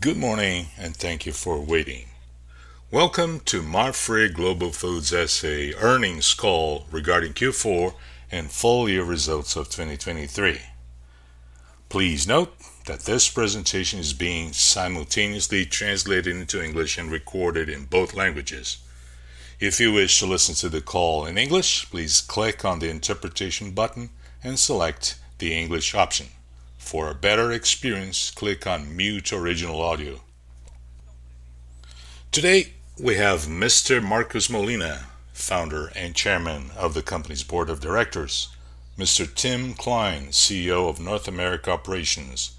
Good morning, and thank you for waiting. Welcome to Marfrig Global Foods S.A. earnings call regarding Q4 and full year results of 2023. Please note that this presentation is being simultaneously translated into English and recorded in both languages. If you wish to listen to the call in English, please click on the interpretation button and select the English option. For a better experience, click on Mute Original Audio. Today, we have Mr. Marcos Molina, Founder and Chairman of the company's board of directors, Mr. Tim Klein, CEO of North America Operations,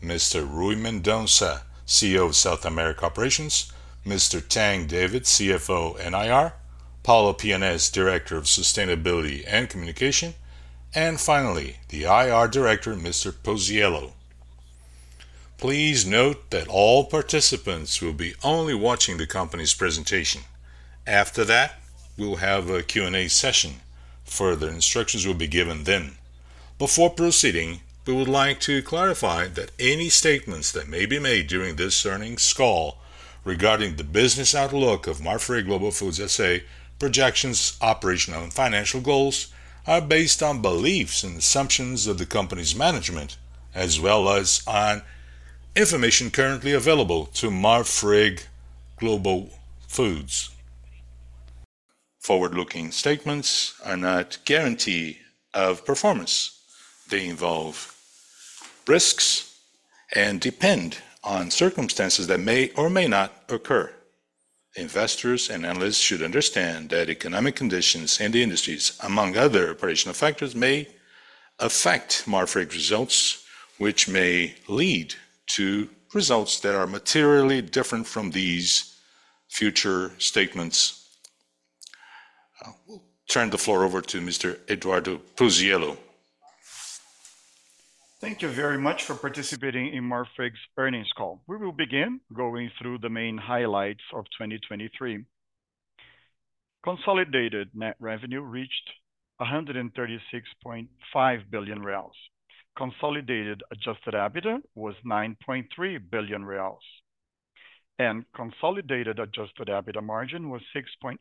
Mr. Rui Mendonça, CEO of South America Operations, Mr. Tang David, CFO and IR, Paulo Pianez, Director of Sustainability and Communication, and finally, the IR director, Mr. Eduardo Puzziello. Please note that all participants will be only watching the company's presentation. After that, we will have a Q&A session. Further instructions will be given then. Before proceeding, we would like to clarify that any statements that may be made during this earnings call regarding the business outlook of Marfrig Global Foods S.A. projections, operational and financial goals are based on beliefs and assumptions of the company's management, as well as on information currently available to Marfrig Global Foods. Forward-looking statements are not guarantee of performance. They involve risks and depend on circumstances that may or may not occur. Investors and analysts should understand that economic conditions and the industries, among other operational factors, may affect Marfrig's results, which may lead to results that are materially different from these future statements. We'll turn the floor over to Mr. Eduardo Puzziello. Thank you very much for participating in Marfrig's earnings call. We will begin going through the main highlights of 2023. Consolidated net revenue reached 136.5 billion reais. Consolidated adjusted EBITDA was 9.3 billion reais, and consolidated adjusted EBITDA margin was 6.8%.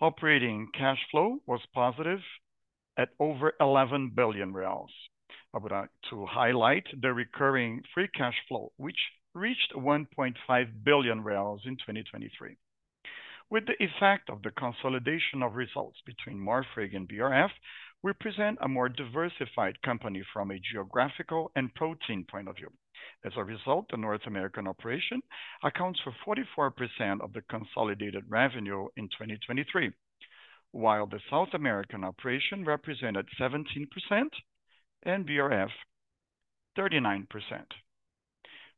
Operating cash flow was positive at over 11 billion reais. I would like to highlight the recurring free cash flow, which reached 1.5 billion reais in 2023. With the effect of the consolidation of results between Marfrig and BRF, we present a more diversified company from a geographical and protein point of view. As a result, the North American operation accounts for 44% of the consolidated revenue in 2023, while the South American operation represented 17% and BRF, 39%.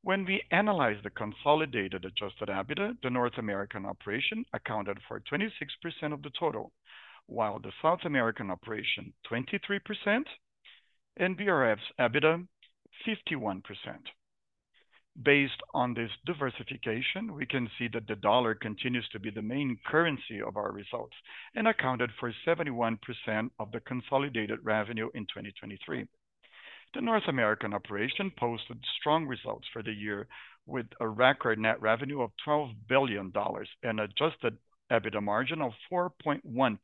When we analyze the consolidated adjusted EBITDA, the North American operation accounted for 26% of the total, while the South American operation, 23%, and BRF's EBITDA, 51%. Based on this diversification, we can see that the dollar continues to be the main currency of our results and accounted for 71% of the consolidated revenue in 2023. The North American operation posted strong results for the year with a record net revenue of $12 billion and adjusted EBITDA margin of 4.1%.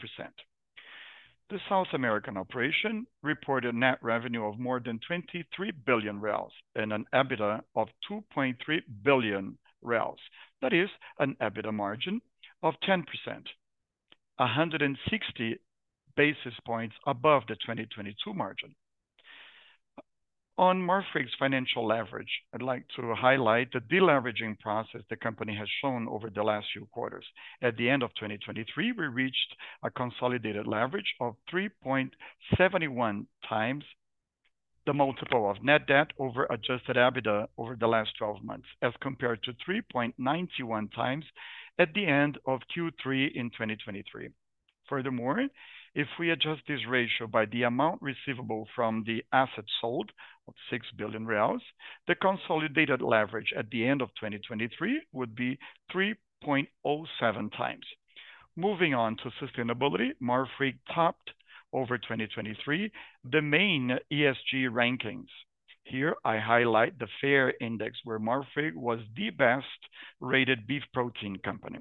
The South American operation reported net revenue of more than 23 billion reais and an EBITDA of 2.3 billion reais. That is an EBITDA margin of 10%, 160 basis points above the 2022 margin. On Marfrig's financial leverage, I'd like to highlight the de-leveraging process the company has shown over the last few quarters. At the end of 2023, we reached a consolidated leverage of 3.71x the multiple of net debt over adjusted EBITDA over the last 12 months, as compared to 3.91x at the end of Q3 in 2023. Furthermore, if we adjust this ratio by the amount receivable from the assets sold of 6 billion reais, the consolidated leverage at the end of 2023 would be 3.07x. Moving on to sustainability, Marfrig topped in 2023 the main ESG rankings. Here I highlight the FAIRR index, where Marfrig was the best-rated beef protein company.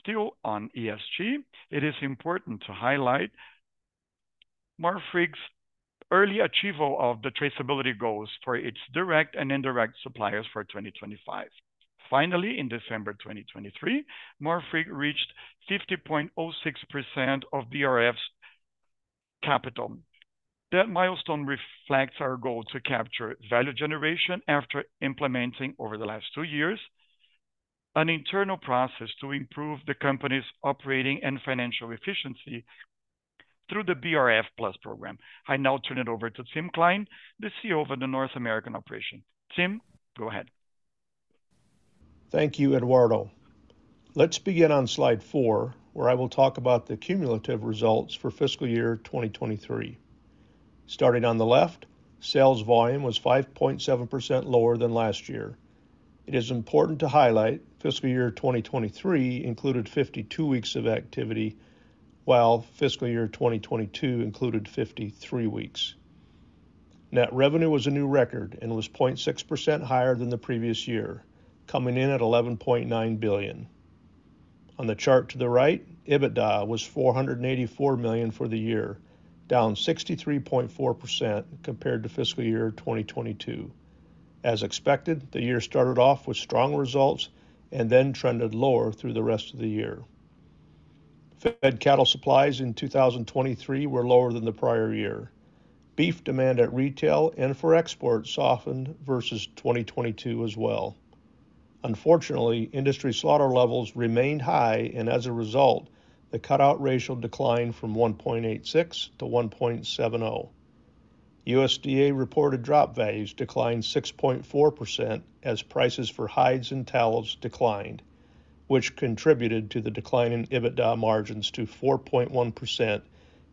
Still on ESG, it is important to highlight Marfrig's early achievement of the traceability goals for its direct and indirect suppliers for 2025. Finally, in December 2023, Marfrig reached 50.06% of BRF's capital. That milestone reflects our goal to capture value generation after implementing over the last two years, an internal process to improve the company's operating and financial efficiency through the BRF+ program. I now turn it over to Tim Klein, the CEO of the North American operation. Tim, go ahead. Thank you, Eduardo. Let's begin on slide four, where I will talk about the cumulative results for fiscal year 2023. Starting on the left, sales volume was 5.7% lower than last year. It is important to highlight, fiscal year 2023 included 52 weeks of activity. While fiscal year 2022 included 53 weeks. Net revenue was a new record and was 0.6% higher than the previous year, coming in at $11.9 billion. On the chart to the right, EBITDA was $484 million for the year, down 63.4% compared to fiscal year 2022. As expected, the year started off with strong results and then trended lower through the rest of the year. Fed cattle supplies in 2023 were lower than the prior year. Beef demand at retail and for export softened versus 2022 as well. Unfortunately, industry slaughter levels remained high, and as a result, the cutout ratio declined from 1.86 to 1.70. USDA reported drop values declined 6.4% as prices for hides and tallows declined, which contributed to the decline in EBITDA margins to 4.1%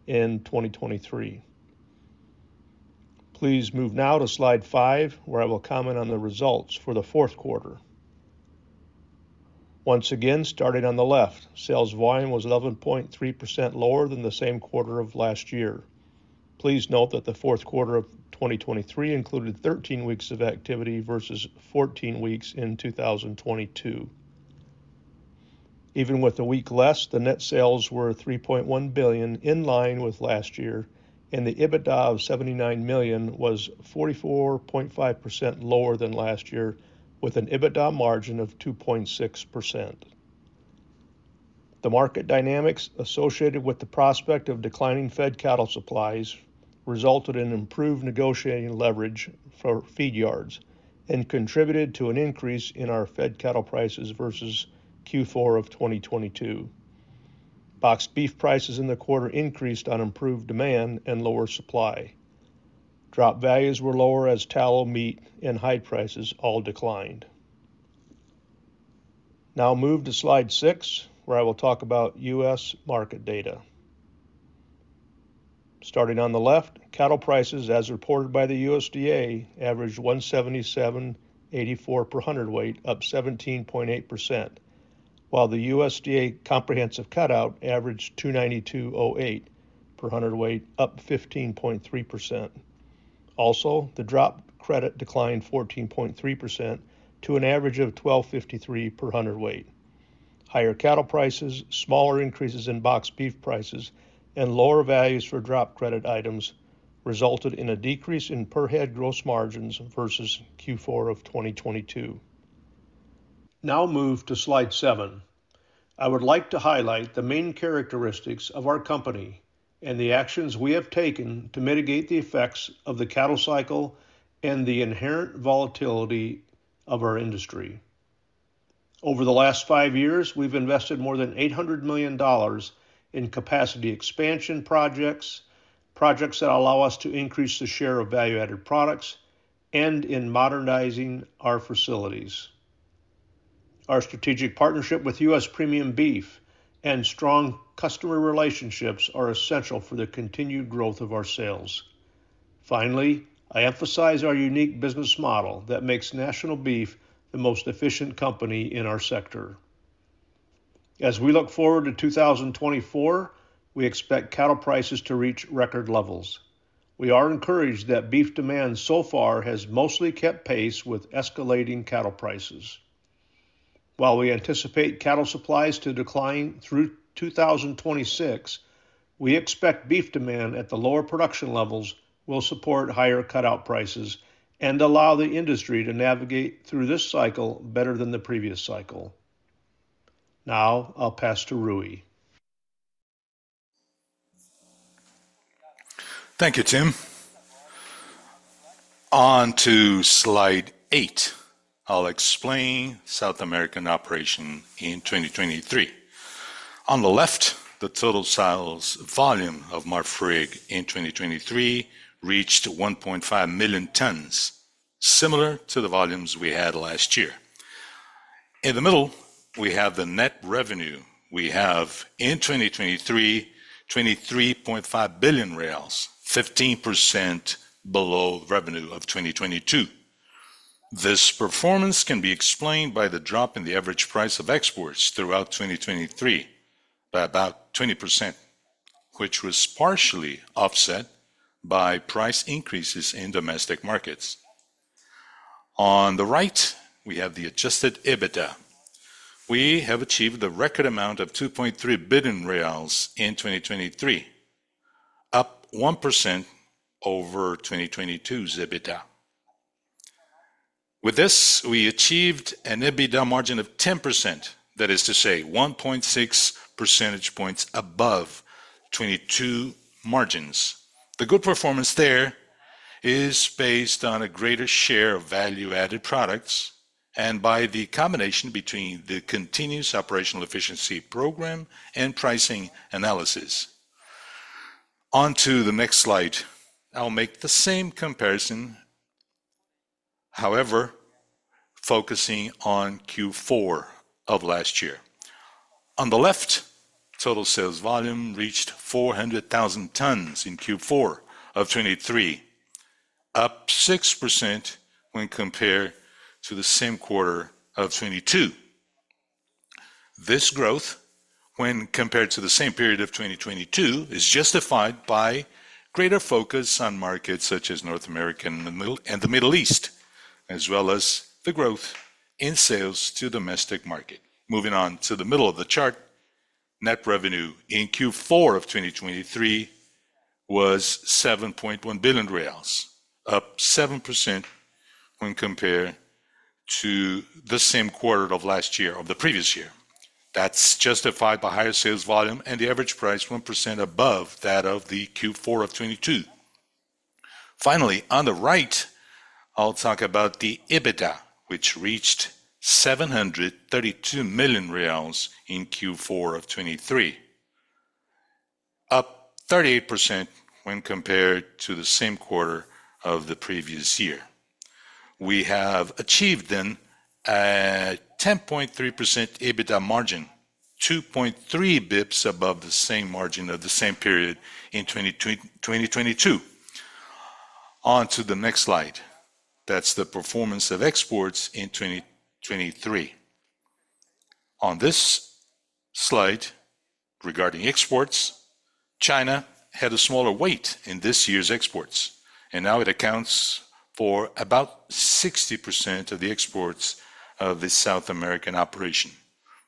in 2023. Please move now to slide five, where I will comment on the results for the fourth quarter. Once again, starting on the left, sales volume was 11.3% lower than the same quarter of last year. Please note that the fourth quarter of 2023 included 13 weeks of activity versus 14 weeks in 2022. Even with a week less, the net sales were $3.1 billion, in line with last year, and the EBITDA of $79 million was 44.5% lower than last year, with an EBITDA margin of 2.6%. The market dynamics associated with the prospect of declining fed cattle supplies resulted in improved negotiating leverage for feedyards and contributed to an increase in our fed cattle prices versus Q4 of 2022. boxed beef prices in the quarter increased on improved demand and lower supply. Drop values were lower as tallow, meat, and hide prices all declined. Now move to slide 6, where I will talk about U.S. market data. Starting on the left, cattle prices, as reported by the USDA, averaged $177.84 per hundredweight, up 17.8%, while the USDA comprehensive cutout averaged $292.08 per hundredweight, up 15.3%. Also, the drop credit declined 14.3% to an average of $12.53 per hundredweight. Higher cattle prices, smaller increases in boxed beef prices, and lower values for drop credit items resulted in a decrease in per head gross margins versus Q4 of 2022. Now move to slide seven. I would like to highlight the main characteristics of our company and the actions we have taken to mitigate the effects of the cattle cycle and the inherent volatility of our industry. Over the last five years, we've invested more than $800 million in capacity expansion projects, projects that allow us to increase the share of value-added products, and in modernizing our facilities. Our strategic partnership with U.S. Premium Beef and strong customer relationships are essential for the continued growth of our sales. Finally, I emphasize our unique business model that makes National Beef the most efficient company in our sector. As we look forward to 2024, we expect cattle prices to reach record levels. We are encouraged that beef demand so far has mostly kept pace with escalating cattle prices. While we anticipate cattle supplies to decline through 2026, we expect beef demand at the lower production levels will support higher cutout prices and allow the industry to navigate through this cycle better than the previous cycle. Now I'll pass to Rui. Thank you, Tim. On to slide eight, I'll explain South American operation in 2023. On the left, the total sales volume of Marfrig in 2023 reached 1.5 million tons, similar to the volumes we had last year. In the middle, we have the net revenue. We have in 2023, 23.5 billion, 15% below revenue of 2022. This performance can be explained by the drop in the average price of exports throughout 2023 by about 20%, which was partially offset by price increases in domestic markets. On the right, we have the adjusted EBITDA. We have achieved a record amount of 2.3 billion reais in 2023, up 1% over 2022's EBITDA. With this, we achieved an EBITDA margin of 10%, that is to say, 1.6 percentage points above 2022 margins. The good performance there is based on a greater share of value-added products and by the combination between the continuous operational efficiency program and pricing analysis. On to the next slide. I'll make the same comparison, however, focusing on Q4 of last year. On the left, total sales volume reached 400,000 tons in Q4 of 2023, up 6% when compared to the same quarter of 2022. This growth, when compared to the same period of 2022, is justified by greater focus on markets such as North America and the Middle East, as well as the growth in sales to domestic market. Moving on to the middle of the chart, net revenue in Q4 of 2023 was 7.1 billion reais, up 7% when compared to the same quarter of last year, of the previous year. That's justified by higher sales volume and the average price, 1% above that of the Q4 of 2022. Finally, on the right, I'll talk about the EBITDA, which reached 732 million reais in Q4 of 2023, up 38% when compared to the same quarter of the previous year. We have achieved then a 10.3% EBITDA margin, 2.3 bps above the same margin of the same period in 2022. On to the next slide. That's the performance of exports in 2023. On this slide, regarding exports, China had a smaller weight in this year's exports, and now it accounts for about 60% of the exports of the South American operation.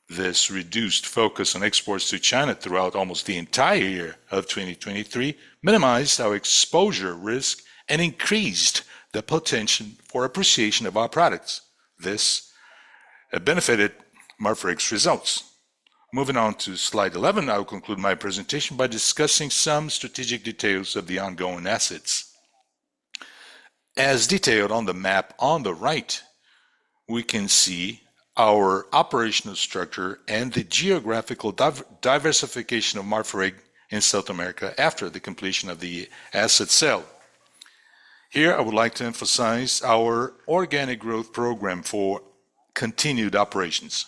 This reduced focus on exports to China throughout almost the entire year of 2023, minimized our exposure risk and increased the potential for appreciation of our products. This benefited Marfrig's results. Moving on to slide 11, I will conclude my presentation by discussing some strategic details of the ongoing assets. As detailed on the map on the right, we can see our operational structure and the geographical diversification of Marfrig in South America after the completion of the asset sale. Here, I would like to emphasize our organic growth program for continued operations.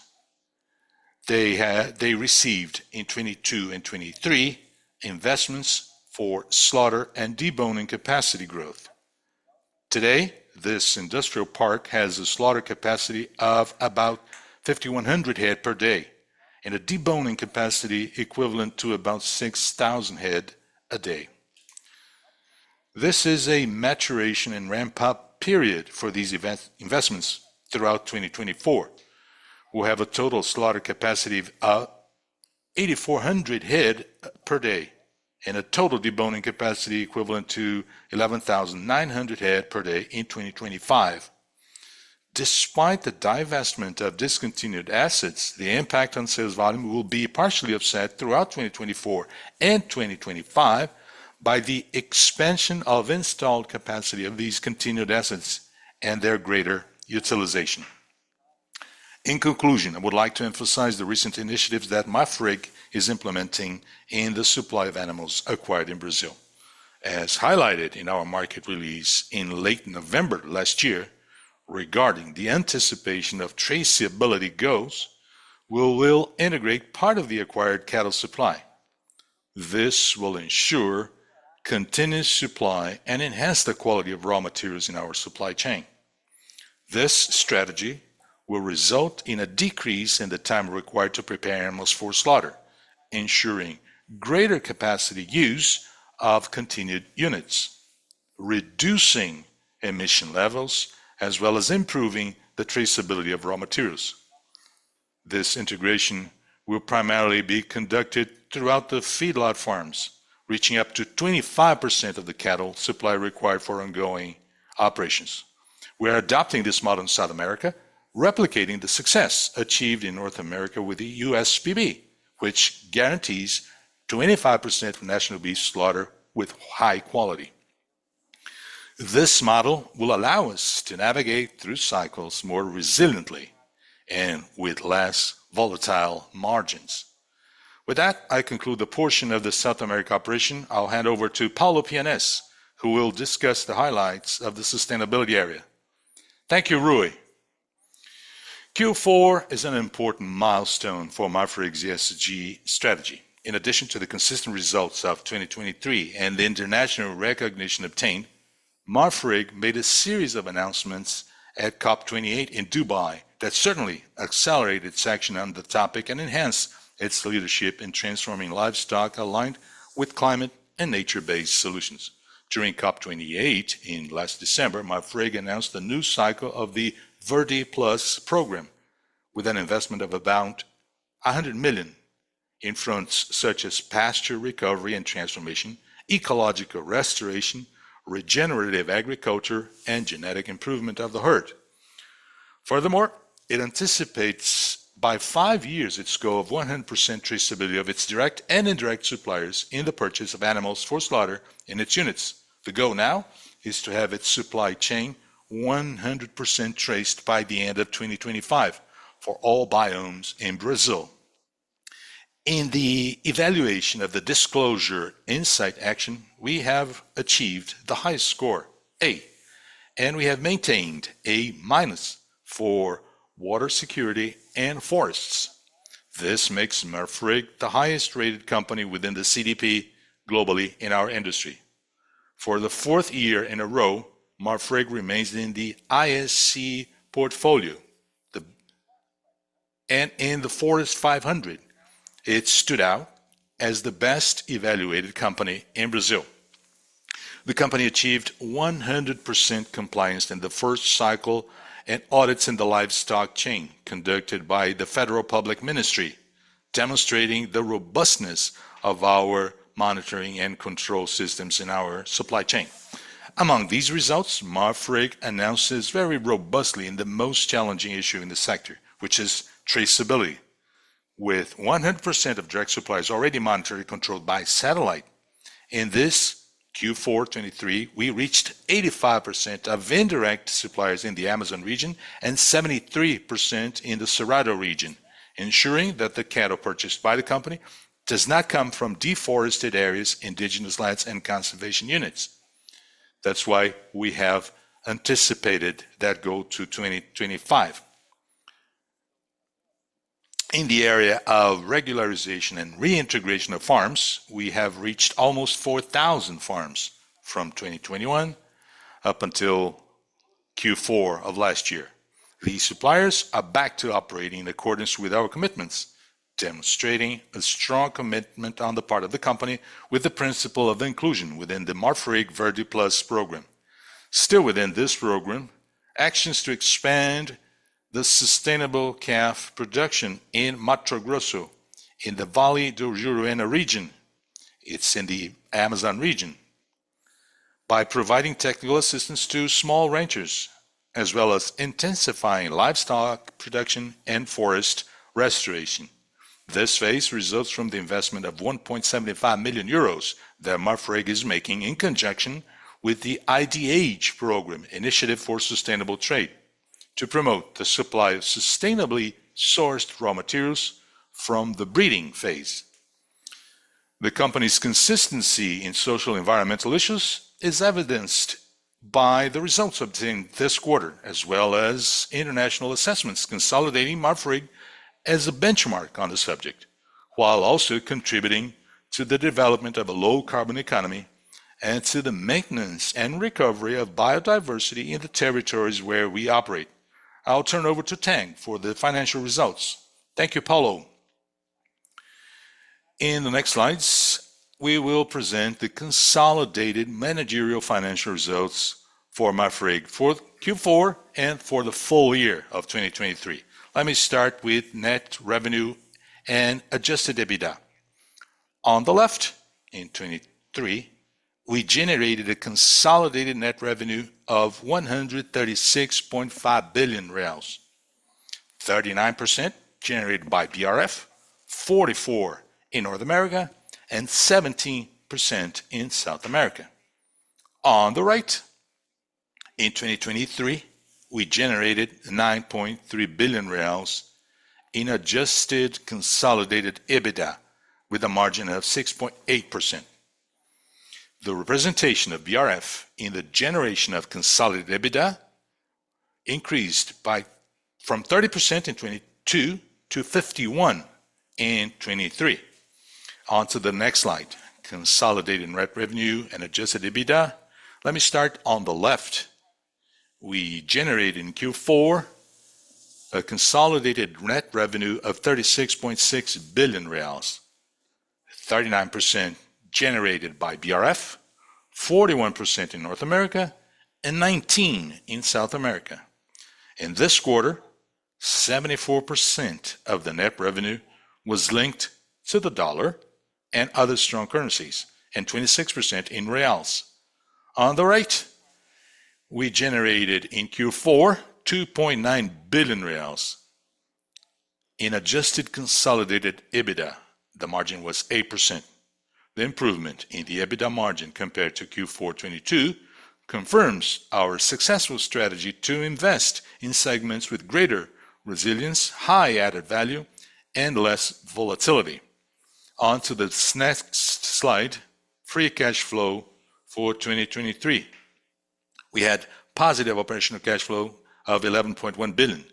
They received in 2022 and 2023, investments for slaughter and deboning capacity growth. Today, this industrial park has a slaughter capacity of about 5,100 head per day and a deboning capacity equivalent to about 6,000 head a day. This is a maturation and ramp-up period for these investments throughout 2024. We'll have a total slaughter capacity of 8,400 head per day and a total deboning capacity equivalent to 11,900 head per day in 2025. Despite the divestment of discontinued assets, the impact on sales volume will be partially offset throughout 2024 and 2025 by the expansion of installed capacity of these continued assets and their greater utilization. In conclusion, I would like to emphasize the recent initiatives that Marfrig is implementing in the supply of animals acquired in Brazil. As highlighted in our market release in late November last year, regarding the anticipation of traceability goals, we will integrate part of the acquired cattle supply. This will ensure continuous supply and enhance the quality of raw materials in our supply chain. This strategy will result in a decrease in the time required to prepare animals for slaughter, ensuring greater capacity use of confinement units, reducing emission levels, as well as improving the traceability of raw materials. This integration will primarily be conducted throughout the feedlot farms, reaching up to 25% of the cattle supply required for ongoing operations. We are adopting this model in South America, replicating the success achieved in North America with the USPB, which guarantees 25% national beef slaughter with high quality. This model will allow us to navigate through cycles more resiliently and with less volatile margins. With that, I conclude the portion of the South America operation. I'll hand over to Paulo Pianez, who will discuss the highlights of the sustainability area. Thank you, Rui. Q4 is an important milestone for Marfrig's ESG strategy. In addition to the consistent results of 2023 and the international recognition obtained, Marfrig made a series of announcements at COP28 in Dubai that certainly accelerated its action on the topic and enhanced its leadership in transforming livestock aligned with climate and nature-based solutions. During COP28 in last December, Marfrig announced a new cycle of the Verde+ program with an investment of about $100 million in fronts such as pasture recovery and transformation, ecological restoration, regenerative agriculture, and genetic improvement of the herd. Furthermore, it anticipates by five years its goal of 100% traceability of its direct and indirect suppliers in the purchase of animals for slaughter in its units. The goal now is to have its supply chain 100% traced by the end of 2025 for all biomes in Brazil. In the evaluation of the disclosure insight action, we have achieved the highest score, A, and we have maintained A- for water security and forests. This makes Marfrig the highest-rated company within the CDP globally in our industry. For the fourth year in a row, Marfrig remains in the ISE portfolio and in the Forest 500. It stood out as the best-evaluated company in Brazil. The company achieved 100% compliance in the first cycle, and audits in the livestock chain conducted by the Federal Public Ministry, demonstrating the robustness of our monitoring and control systems in our supply chain. Among these results, Marfrig announces very robustly in the most challenging issue in the sector, which is traceability. With 100% of direct suppliers already monitored and controlled by satellite, in this Q4 2023, we reached 85% of indirect suppliers in the Amazon region and 73% in the Cerrado region, ensuring that the cattle purchased by the company does not come from deforested areas, indigenous lands, and conservation units. That's why we have anticipated that goal to 2025. In the area of regularization and reintegration of farms, we have reached almost 4,000 farms from 2021 up until Q4 of last year. These suppliers are back to operating in accordance with our commitments, demonstrating a strong commitment on the part of the company with the principle of inclusion within the Marfrig Verde+ program. Still, within this program, actions to expand the sustainable calf production in Mato Grosso, in the Vale do Juruena region, it's in the Amazon region, by providing technical assistance to small ranchers, as well as intensifying livestock production and forest restoration. This phase results from the investment of 1.75 million euros that Marfrig is making in conjunction with the IDH program, Initiative for Sustainable Trade, to promote the supply of sustainably sourced raw materials from the breeding phase. The company's consistency in social environmental issues is evidenced by the results obtained this quarter, as well as international assessments, consolidating Marfrig as a benchmark on the subject, while also contributing to the development of a low-carbon economy and to the maintenance and recovery of biodiversity in the territories where we operate. I'll turn over to Tang for the financial results. Thank you, Paulo. In the next slides, we will present the consolidated managerial financial results for Marfrig for Q4 and for the full year of 2023. Let me start with net revenue and adjusted EBITDA. On the left, in 2023, we generated a consolidated net revenue of 136.5 billion reais, 39% generated by BRF, 44% in North America, and 17% in South America. On the right, in 2023, we generated 9.3 billion reais in adjusted consolidated EBITDA, with a margin of 6.8%. The representation of BRF in the generation of consolidated EBITDA increased by from 30% in 2022 to 51% in 2023. On to the next slide, consolidated net revenue and adjusted EBITDA. Let me start on the left. We generated in Q4 a consolidated net revenue of 36.6 billion reais, 39% generated by BRF, 41% in North America, and 19% in South America. In this quarter, 74% of the net revenue was linked to the dollar and other strong currencies and 26% in reals. On the right, we generated in Q4 2.9 billion reais in adjusted consolidated EBITDA. The margin was 8%. The improvement in the EBITDA margin compared to Q4 2022 confirms our successful strategy to invest in segments with greater resilience, high added value, and less volatility. On to the next slide, free cash flow for 2023. We had positive operational cash flow of 11.1 billion.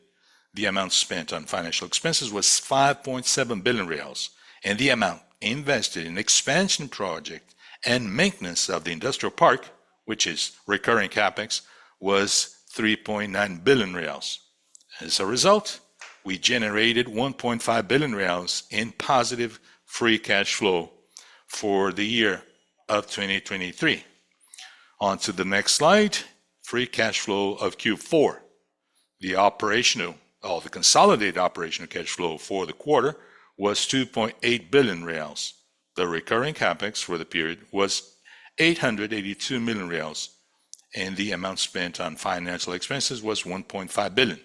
The amount spent on financial expenses was 5.7 billion reais, and the amount invested in expansion project and maintenance of the industrial park, which is recurring CapEx, was 3.9 billion reais. As a result, we generated 1.5 billion reais in positive free cash flow for the year of 2023. On to the next slide, free cash flow of Q4. The consolidated operational cash flow for the quarter was 2.8 billion reais. The recurring CapEx for the period was 882 million reais, and the amount spent on financial expenses was 1.5 billion.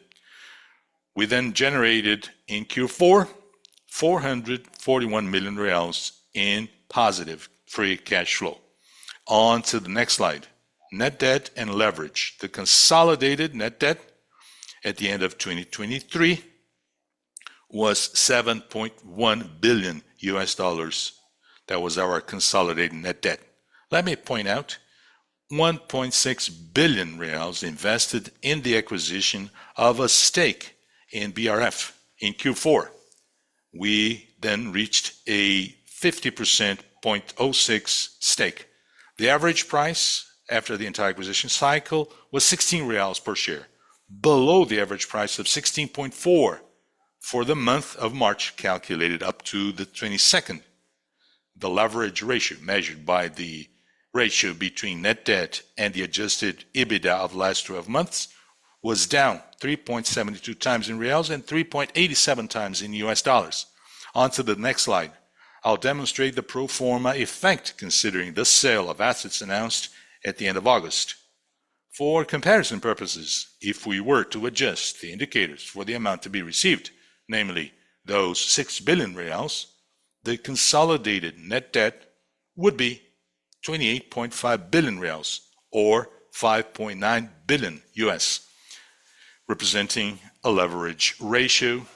We then generated in Q4, 441 million reais in positive free cash flow. On to the next slide, net debt and leverage. The consolidated net debt at the end of 2023 was $7.1 billion. That was our consolidated net debt. Let me point out 1.6 billion reais invested in the acquisition of a stake in BRF in Q4. We then reached a 50.06% stake. The average price after the entire acquisition cycle was 16 reais per share, below the average price of 16.4 for the month of March, calculated up to the 22nd. The leverage ratio, measured by the ratio between net debt and the adjusted EBITDA of the last 12 months, was down 3.72x in BRL and 3.87x in US dollars. On to the next slide, I'll demonstrate the pro forma effect, considering the sale of assets announced at the end of August. For comparison purposes, if we were to adjust the indicators for the amount to be received, namely those 6 billion reais, the consolidated net debt would be 28.5 billion reais or $5.9 billion, representing a leverage ratio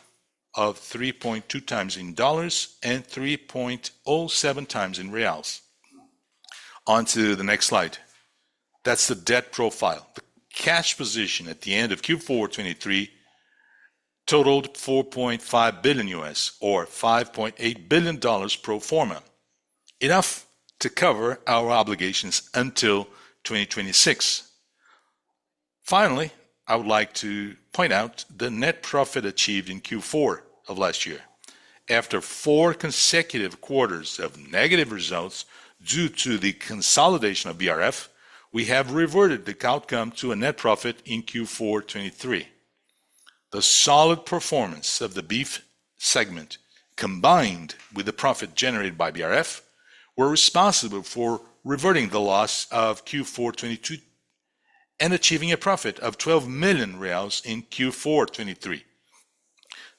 of 3.2x in dollars and 3.07x in reals. On to the next slide. That's the debt profile. The cash position at the end of Q4 2023 totaled $4.5 billion or $5.8 billion pro forma, enough to cover our obligations until 2026. Finally, I would like to point out the net profit achieved in Q4 of last year. After four consecutive quarters of negative results due to the consolidation of BRF, we have reverted the outcome to a net profit in Q4 2023. The solid performance of the beef segment, combined with the profit generated by BRF, were responsible for reverting the loss of Q4 2022, and achieving a profit of 12 million reais in Q4 2023.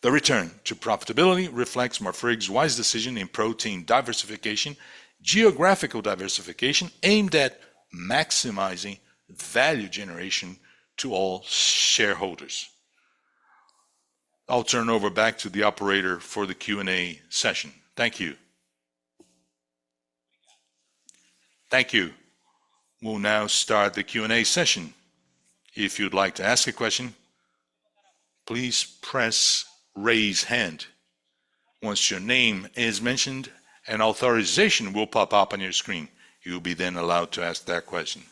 The return to profitability reflects Marfrig's wise decision in protein diversification, geographical diversification, aimed at maximizing value generation to all shareholders. I'll turn over back to the operator for the Q&A session. Thank you. Thank you. We'll now start the Q&A session. If you'd like to ask a question, please press Raise Hand. Once your name is mentioned, an authorization will pop up on your screen. You'll be then allowed to ask that question.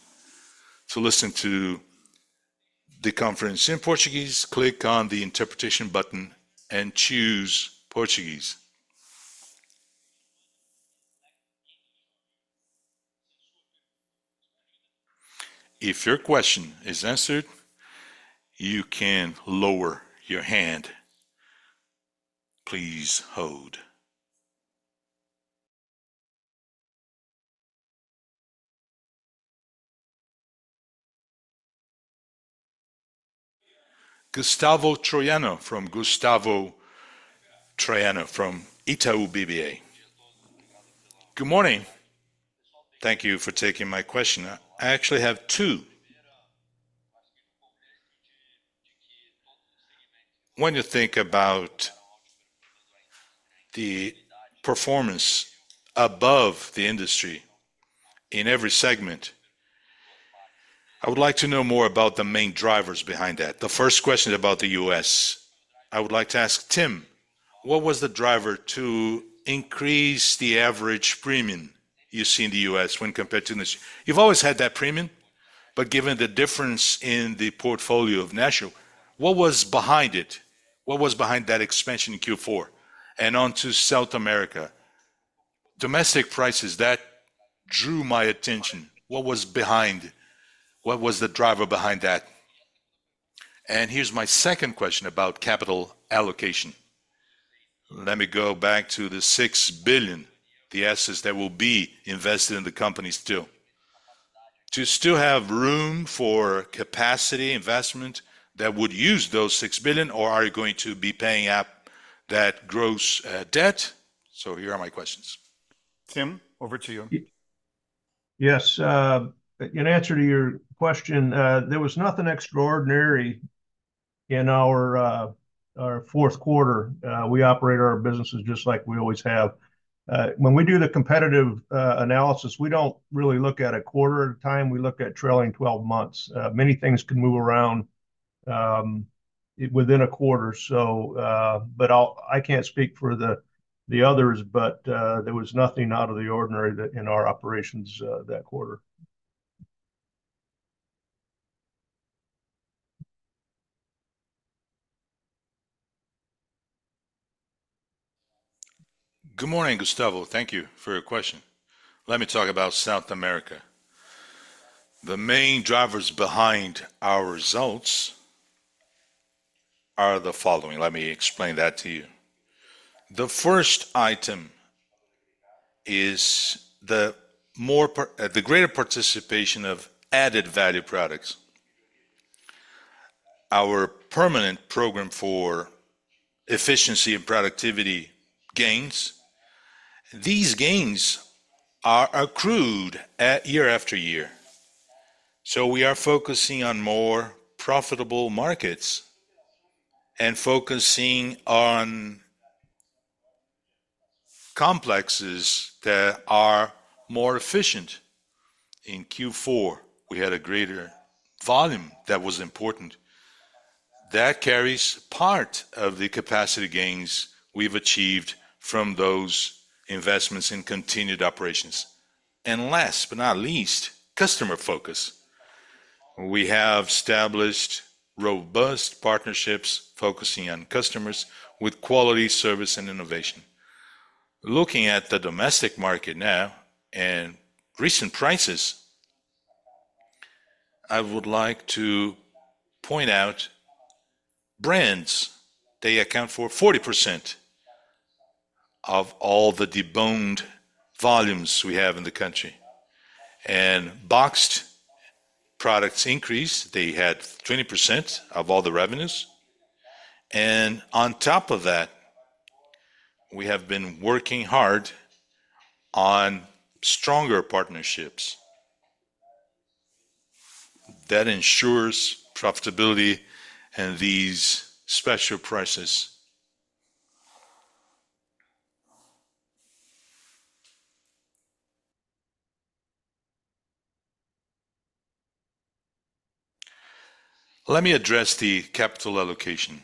To listen to the conference in Portuguese, click on the interpretation button and choose Portuguese. If your question is answered, you can lower your hand. Please hold. Gustavo Troyano from Itaú BBA. Good morning. Thank you for taking my question. I actually have two. When you think about the performance above the industry in every segment, I would like to know more about the main drivers behind that. The first question about the U.S., I would like to ask Tim, what was the driver to increase the average premium you see in the U.S. when compared to this? You've always had that premium, but given the difference in the portfolio of natural, what was behind it? What was behind that expansion in Q4 and onto South America? Domestic prices, that drew my attention. What was behind. What was the driver behind that? And here's my second question about capital allocation. Let me go back to the $6 billion, the assets that will be invested in the company still. To still have room for capacity investment that would use those $6 billion, or are you going to be paying up that gross debt? Here are my questions. Tim, over to you. Yes, in answer to your question, there was nothing extraordinary in our fourth quarter. We operate our businesses just like we always have. When we do the competitive analysis, we don't really look at a quarter at a time, we look at trailing 12 months. Many things can move around within a quarter. So, but I'll—I can't speak for the others, but there was nothing out of the ordinary that in our operations, that quarter. Good morning, Gustavo. Thank you for your question. Let me talk about South America. The main drivers behind our results are the following. Let me explain that to you. The first item is the greater participation of added value products, our permanent program for efficiency and productivity gains. These gains are accrued year-after-year, so we are focusing on more profitable markets and focusing on complexes that are more efficient. In Q4, we had a greater volume that was important. That carries part of the capacity gains we've achieved from those investments in continued operations. And last but not least, customer focus. We have established robust partnerships, focusing on customers with quality, service, and innovation. Looking at the domestic market now and recent prices, I would like to point out brands. They account for 40% of all the deboned volumes we have in the country. And boxed products increased. They had 20% of all the revenues. And on top of that, we have been working hard on stronger partnerships. That ensures profitability and these special prices. Let me address the capital allocation.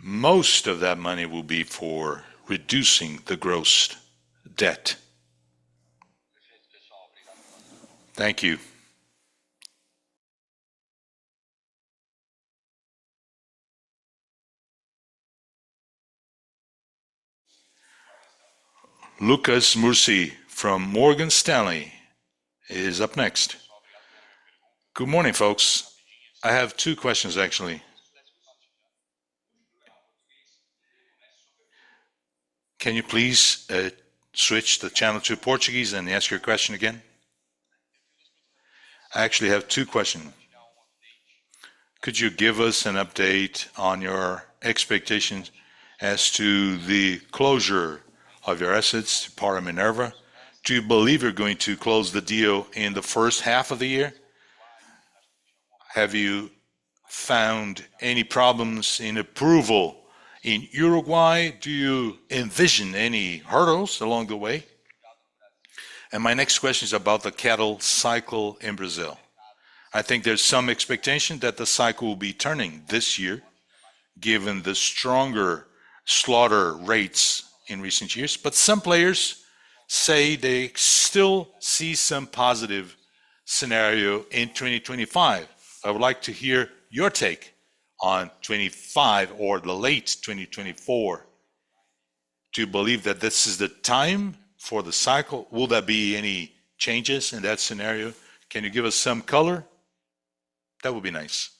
Most of that money will be for reducing the gross debt. Thank you. Lucas Mussi from Morgan Stanley is up next. Good morning, folks. I have two questions, actually. Can you please, switch the channel to Portuguese and ask your question again? I actually have two questions. Could you give us an update on your expectations as to the closure of your assets, part of Minerva? Do you believe you're going to close the deal in the first half of the year? Have you found any problems in approval in Uruguay? Do you envision any hurdles along the way? My next question is about the cattle cycle in Brazil. I think there's some expectation that the cycle will be turning this year, given the stronger slaughter rates in recent years, but some players say they still see some positive scenario in 2025. I would like to hear your take on 2025 or the late 2024. Do you believe that this is the time for the cycle? Will there be any changes in that scenario? Can you give us some color? That would be nice.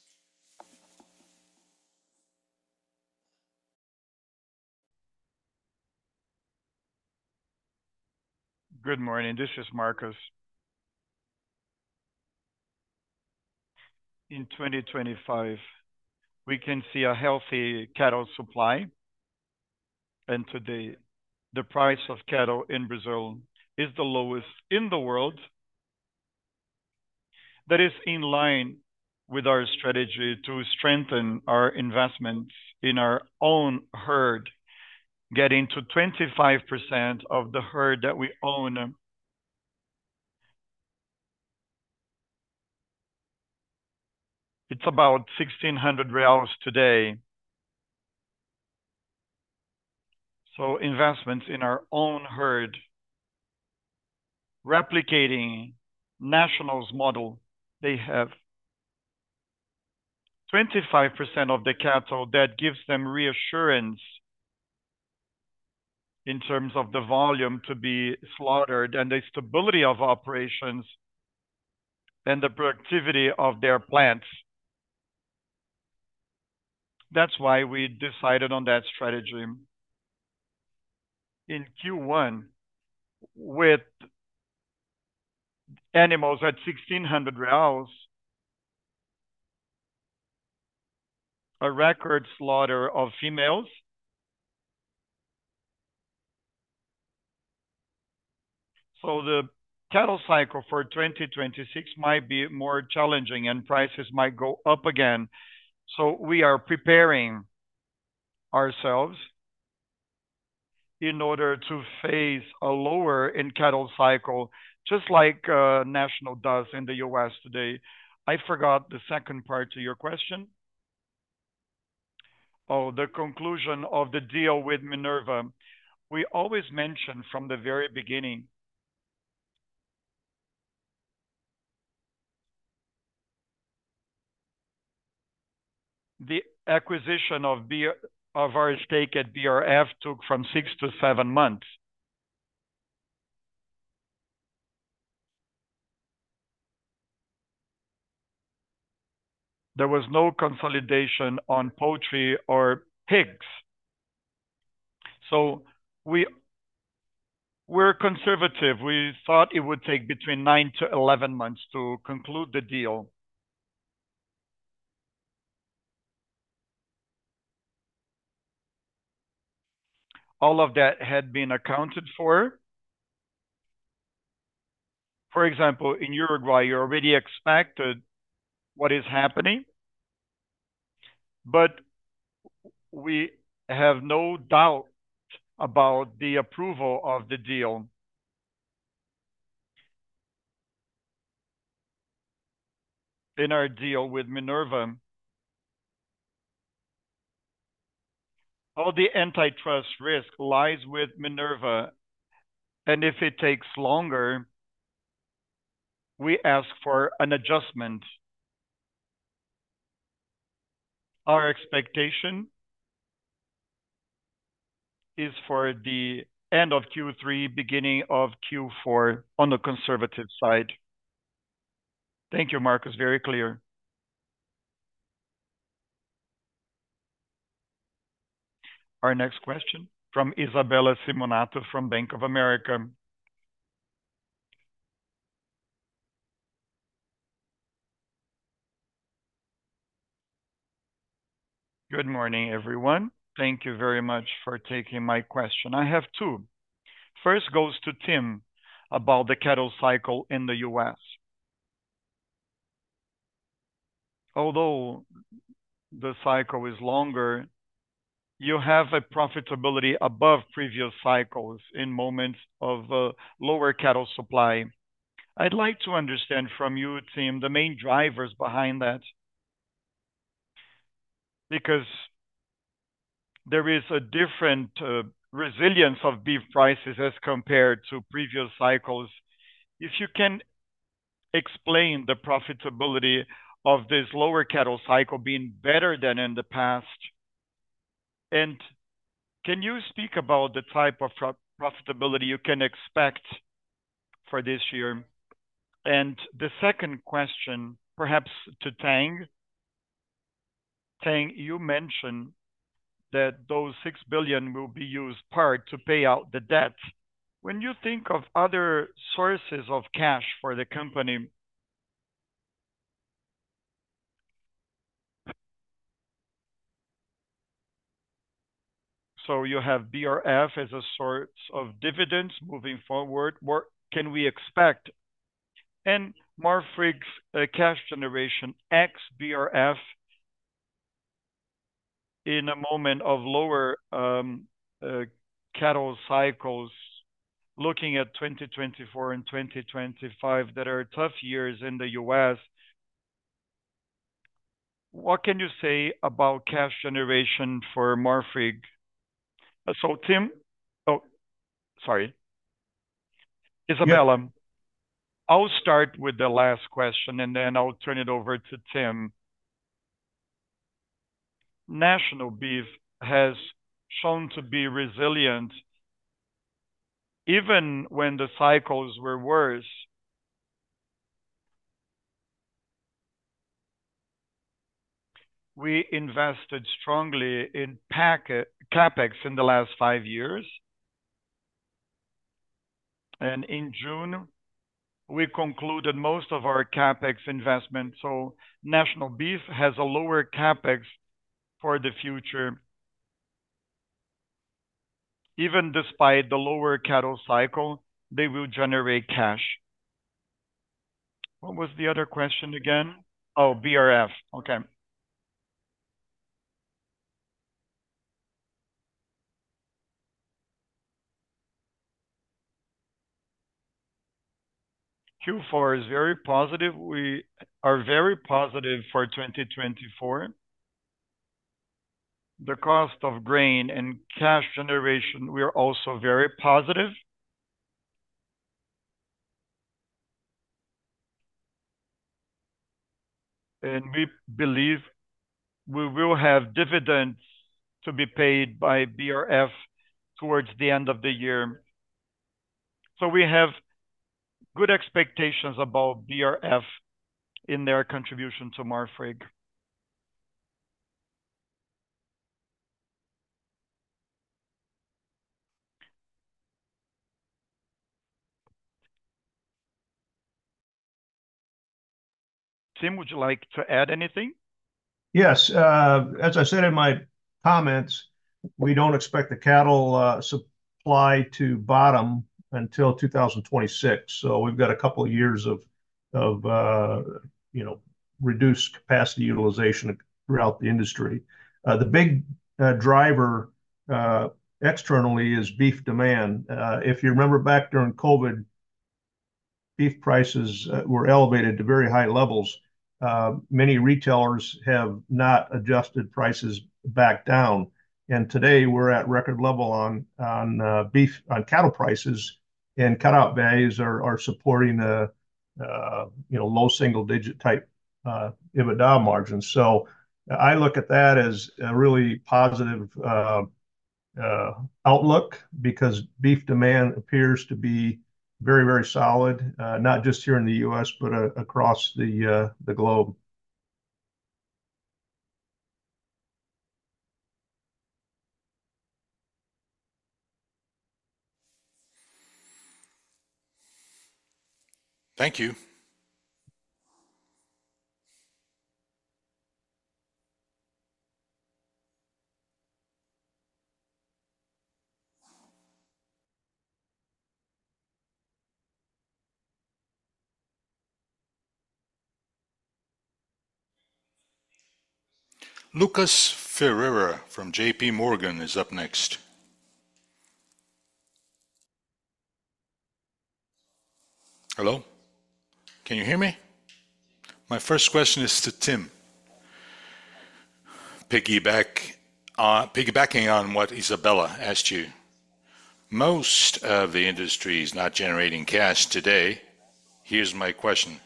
Good morning, this is Marcos. In 2025, we can see a healthy cattle supply, and today, the price of cattle in Brazil is the lowest in the world. That is in line with our strategy to strengthen our investment in our own herd, getting to 25% of the herd that we own. It's about BRL 1,600 today. So investments in our own herd, replicating National's model, they have 25% of the cattle. That gives them reassurance in terms of the volume to be slaughtered, and the stability of operations, and the productivity of their plants. That's why we decided on that strategy. In Q1, with animals at BRL 1,600, a record slaughter of females, so the cattle cycle for 2026 might be more challenging, and prices might go up again. So we are preparing ourselves in order to face a lower in cattle cycle, just like National does in the U.S. today. I forgot the second part to your question. Oh, the conclusion of the deal with Minerva. We always mentioned from the very beginning, the acquisition of our stake at BRF took from six to seven months. There was no consolidation on poultry or pigs, so we were conservative. We thought it would take between nine to 11 months to conclude the deal. All of that had been accounted for. For example, in Uruguay, you already expected what is happening, but we have no doubt about the approval of the deal. In our deal with Minerva, all the antitrust risk lies with Minerva, and if it takes longer, we ask for an adjustment. Our expectation is for the end of Q3, beginning of Q4, on the conservative side. Thank you, Marcos. Very clear. Our next question from Isabella Simonato from Bank of America. Good morning, everyone. Thank you very much for taking my question. I have two. First goes to Tim about the cattle cycle in the U.S. Although the cycle is longer, you have a profitability above previous cycles in moments of lower cattle supply. I'd like to understand from you, Tim, the main drivers behind that. Because there is a different resilience of beef prices as compared to previous cycles. If you can explain the profitability of this lower cattle cycle being better than in the past, and can you speak about the type of pro-profitability you can expect for this year? And the second question, perhaps to Tang. Tang, you mentioned that those $6 billion will be used part to pay out the debt. When you think of other sources of cash for the company. So you have BRF as a source of dividends moving forward, what can we expect? And Marfrig's cash generation ex BRF in a moment of lower cattle cycles, looking at 2024 and 2025, that are tough years in the U.S., what can you say about cash generation for Marfrig? So, Tim? Oh, sorry. Isabella- Yeah. I'll start with the last question, and then I'll turn it over to Tim. National Beef has shown to be resilient even when the cycles were worse. We invested strongly in CapEx in the last five years. And in June, we concluded most of our CapEx investment, so National Beef has a lower CapEx for the future. Even despite the lower cattle cycle, they will generate cash. What was the other question again? Oh, BRF. Okay. Q4 is very positive. We are very positive for 2024. The cost of grain and cash generation, we are also very positive. And we believe we will have dividends to be paid by BRF towards the end of the year. So we have good expectations about BRF in their contribution to Marfrig. Tim, would you like to add anything? Yes. As I said in my comments, we don't expect the cattle supply to bottom until 2026, so we've got a couple of years of you know, reduced capacity utilization throughout the industry. The big driver externally is beef demand. If you remember back during COVID, beef prices were elevated to very high levels. Many retailers have not adjusted prices back down, and today we're at record level on beef, on cattle prices, and cutout values are supporting you know, low single-digit type EBITDA margins. So I look at that as a really positive outlook, because beef demand appears to be very, very solid, not just here in the U.S., but across the globe. Thank you. Lucas Ferreira from JPMorgan is up next. Hello, can you hear me? My first question is to Tim. Piggybacking on what Isabella asked you, most of the industry is not generating cash today. Here's my question: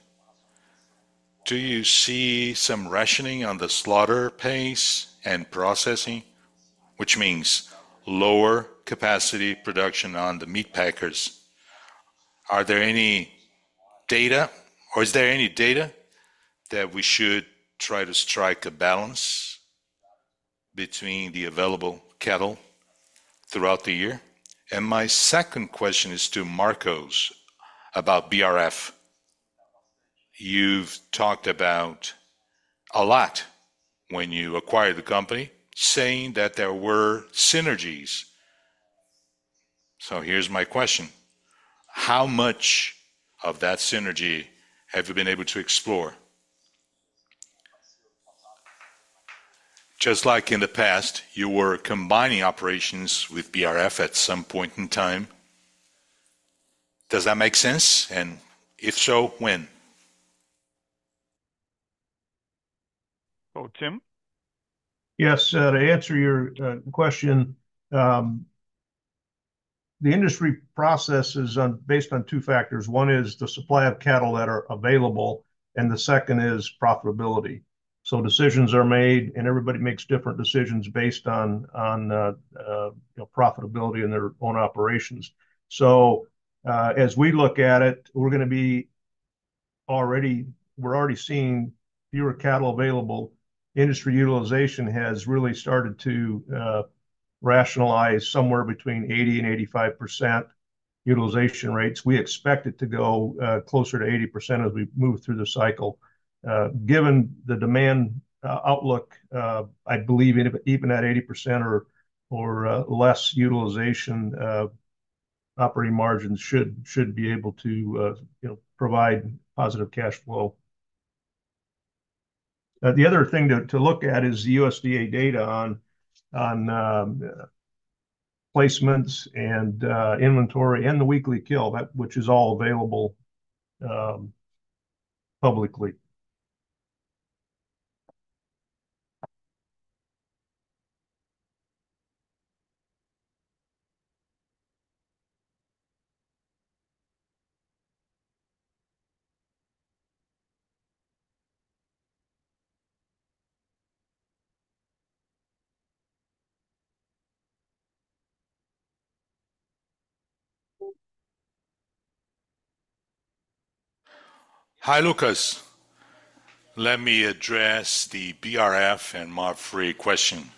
Do you see some rationing on the slaughter pace and processing, which means lower capacity production on the meat packers? Are there any data, or is there any data that we should try to strike a balance between the available cattle throughout the year? And my second question is to Marcos about BRF. You've talked about a lot when you acquired the company, saying that there were synergies. So here's my question: How much of that synergy have you been able to explore? Just like in the past, you were combining operations with BRF at some point in time. Does that make sense? And if so, when? Oh, Tim? Yes, to answer your question, the industry process is on, based on two factors. One is the supply of cattle that are available, and the second is profitability. So decisions are made, and everybody makes different decisions based on profitability in their own operations. So, as we look at it, we're gonna be already. We're already seeing fewer cattle available. Industry utilization has really started to rationalize somewhere between 80% and 85% utilization rates. We expect it to go closer to 80% as we move through the cycle. Given the demand outlook, I believe even at 80% or less utilization, operating margins should be able to, you know, provide positive cash flow. The other thing to look at is the USDA data on placements and inventory and the weekly kill, which is all available publicly. Hi, Lucas. Let me address the BRF and Marfrig question.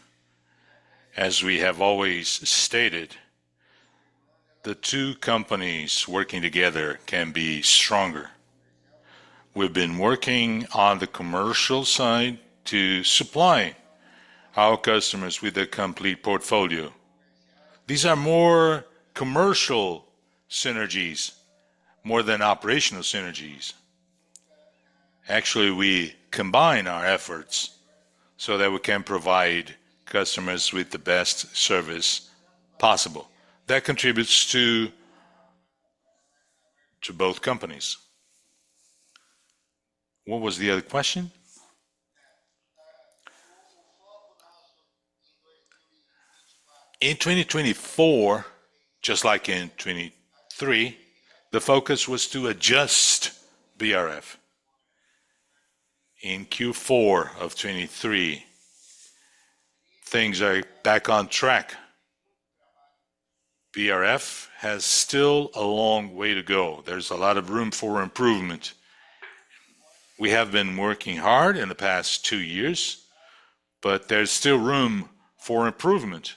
As we have always stated, the two companies working together can be stronger. We've been working on the commercial side to supply our customers with a complete portfolio. These are more commercial synergies more than operational synergies. Actually, we combine our efforts so that we can provide customers with the best service possible. That contributes to both companies. What was the other question? In 2024, just like in 2023, the focus was to adjust BRF. In Q4 of 2023, things are back on track. BRF has still a long way to go. There's a lot of room for improvement. We have been working hard in the past two years, but there's still room for improvement.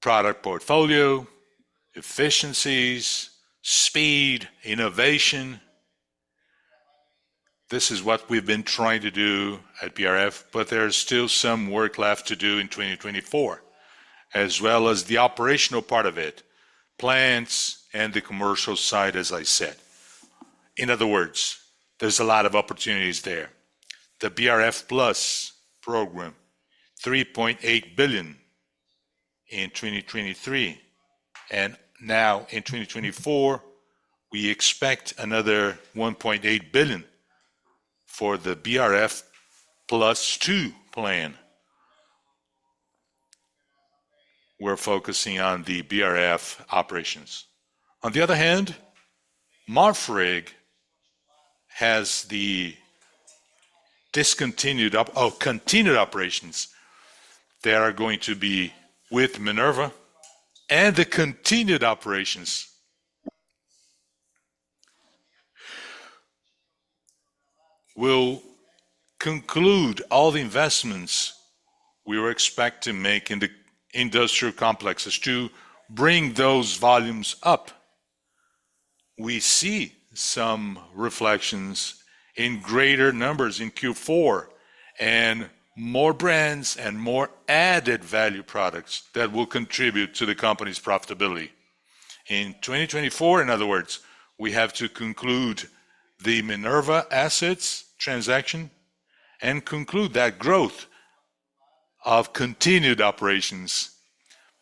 Product portfolio, efficiencies, speed, innovation: this is what we've been trying to do at BRF, but there is still some work left to do in 2024, as well as the operational part of it, plants and the commercial side, as I said. In other words, there's a lot of opportunities there. The BRF+ program, BRL 3.8 billion in 2023, and now in 2024, we expect another 1.8 billion for the BRF+ two plan. We're focusing on the BRF operations. On the other hand, Marfrig has the continued operations. They are going to be with Minerva, and the continued operations will conclude all the investments we were expecting to make in the industrial complexes to bring those volumes up. We see some reflections in greater numbers in Q4, and more brands and more added value products that will contribute to the company's profitability. In 2024, in other words, we have to conclude the Minerva assets transaction, and conclude that growth of continued operations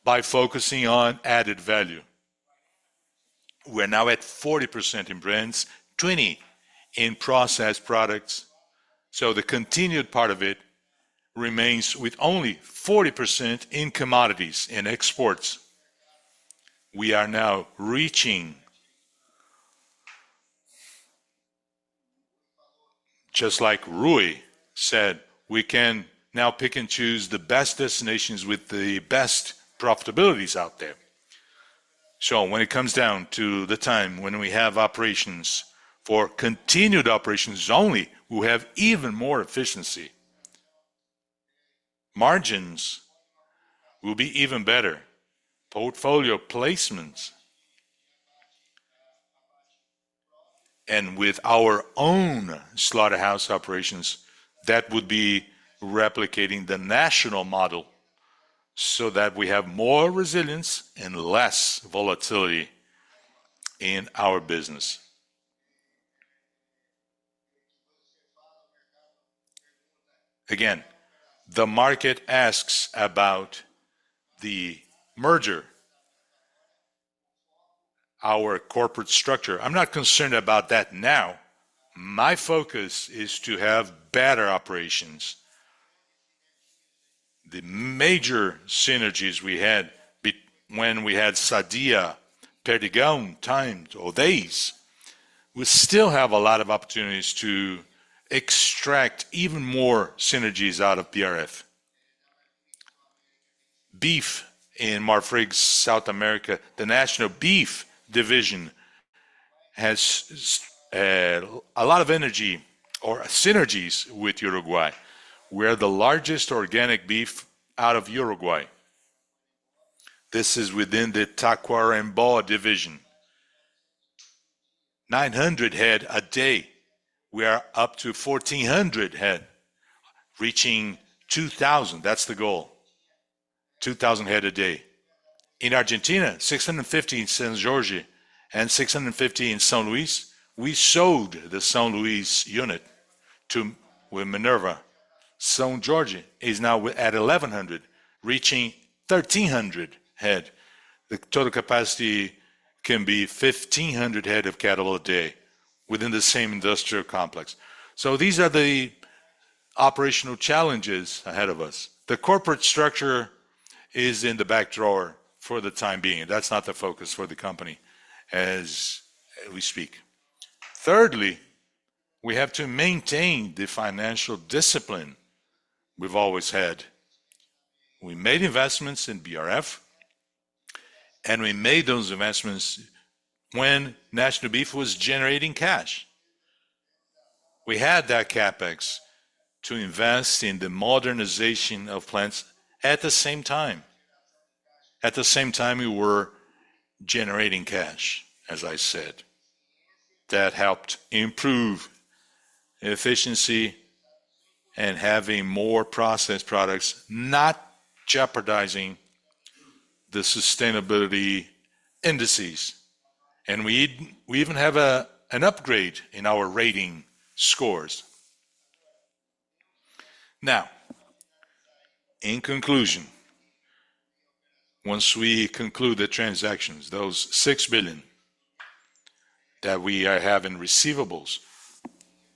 by focusing on added value. We're now at 40% in brands, 20% in processed products, so the continued part of it remains with only 40% in commodities, in exports. We are now reaching, just like Rui said, we can now pick and choose the best destinations with the best profitabilities out there. So when it comes down to the time when we have operations, for continued operations only, we'll have even more efficiency. Margins will be even better. Portfolio placements, and with our own slaughterhouse operations, that would be replicating the national model, so that we have more resilience and less volatility in our business. Again, the market asks about the merger, our corporate structure. I'm not concerned about that now. My focus is to have better operations. The major synergies we had when we had Sadia, Perdigão times or days, we still have a lot of opportunities to extract even more synergies out of BRF. Beef in Marfrig South America, the National Beef Division, has a lot of energy or synergies with Uruguay. We're the largest organic beef out of Uruguay. This is within the Tacuarembó division. 900 head a day, we are up to 1,400 head, reaching 2,000, that's the goal. 2,000 head a day. In Argentina, 650 in San Jorge, and 650 in San Luis. We sold the San Luis unit to, with Minerva. San Jorge is now at 1,100, reaching 1,300 head. The total capacity can be 1,500 head of cattle a day within the same industrial complex. So these are the operational challenges ahead of us. The corporate structure is in the back drawer for the time being. That's not the focus for the company as we speak. Thirdly, we have to maintain the financial discipline we've always had. We made investments in BRF, and we made those investments when National Beef was generating cash. We had that CapEx to invest in the modernization of plants at the same time. At the same time, we were generating cash, as I said. That helped improve efficiency and having more processed products, not jeopardizing the sustainability indices, and we even, we even have a, an upgrade in our rating scores. Now, in conclusion, once we conclude the transactions, those $6 billion that we have in receivables,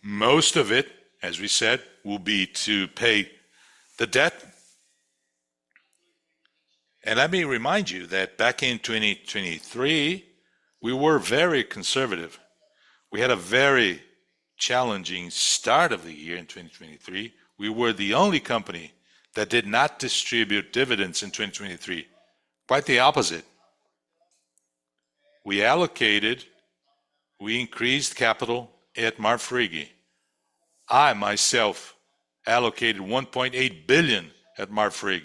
most of it, as we said, will be to pay the debt. And let me remind you that back in 2023, we were very conservative. We had a very challenging start of the year in 2023. We were the only company that did not distribute dividends in 2023. Quite the opposite. We allocated. We increased capital at Marfrig. I myself allocated $1.8 billion at Marfrig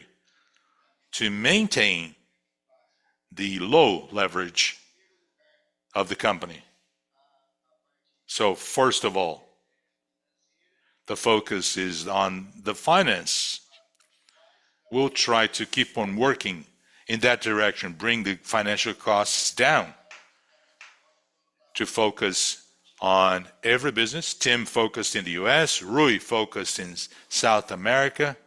to maintain the low leverage of the company. So first of all, the focus is on the finance. We'll try to keep on working in that direction, bring the financial costs down, to focus on every business. Tim, focused in the U.S., Rui, focused in South America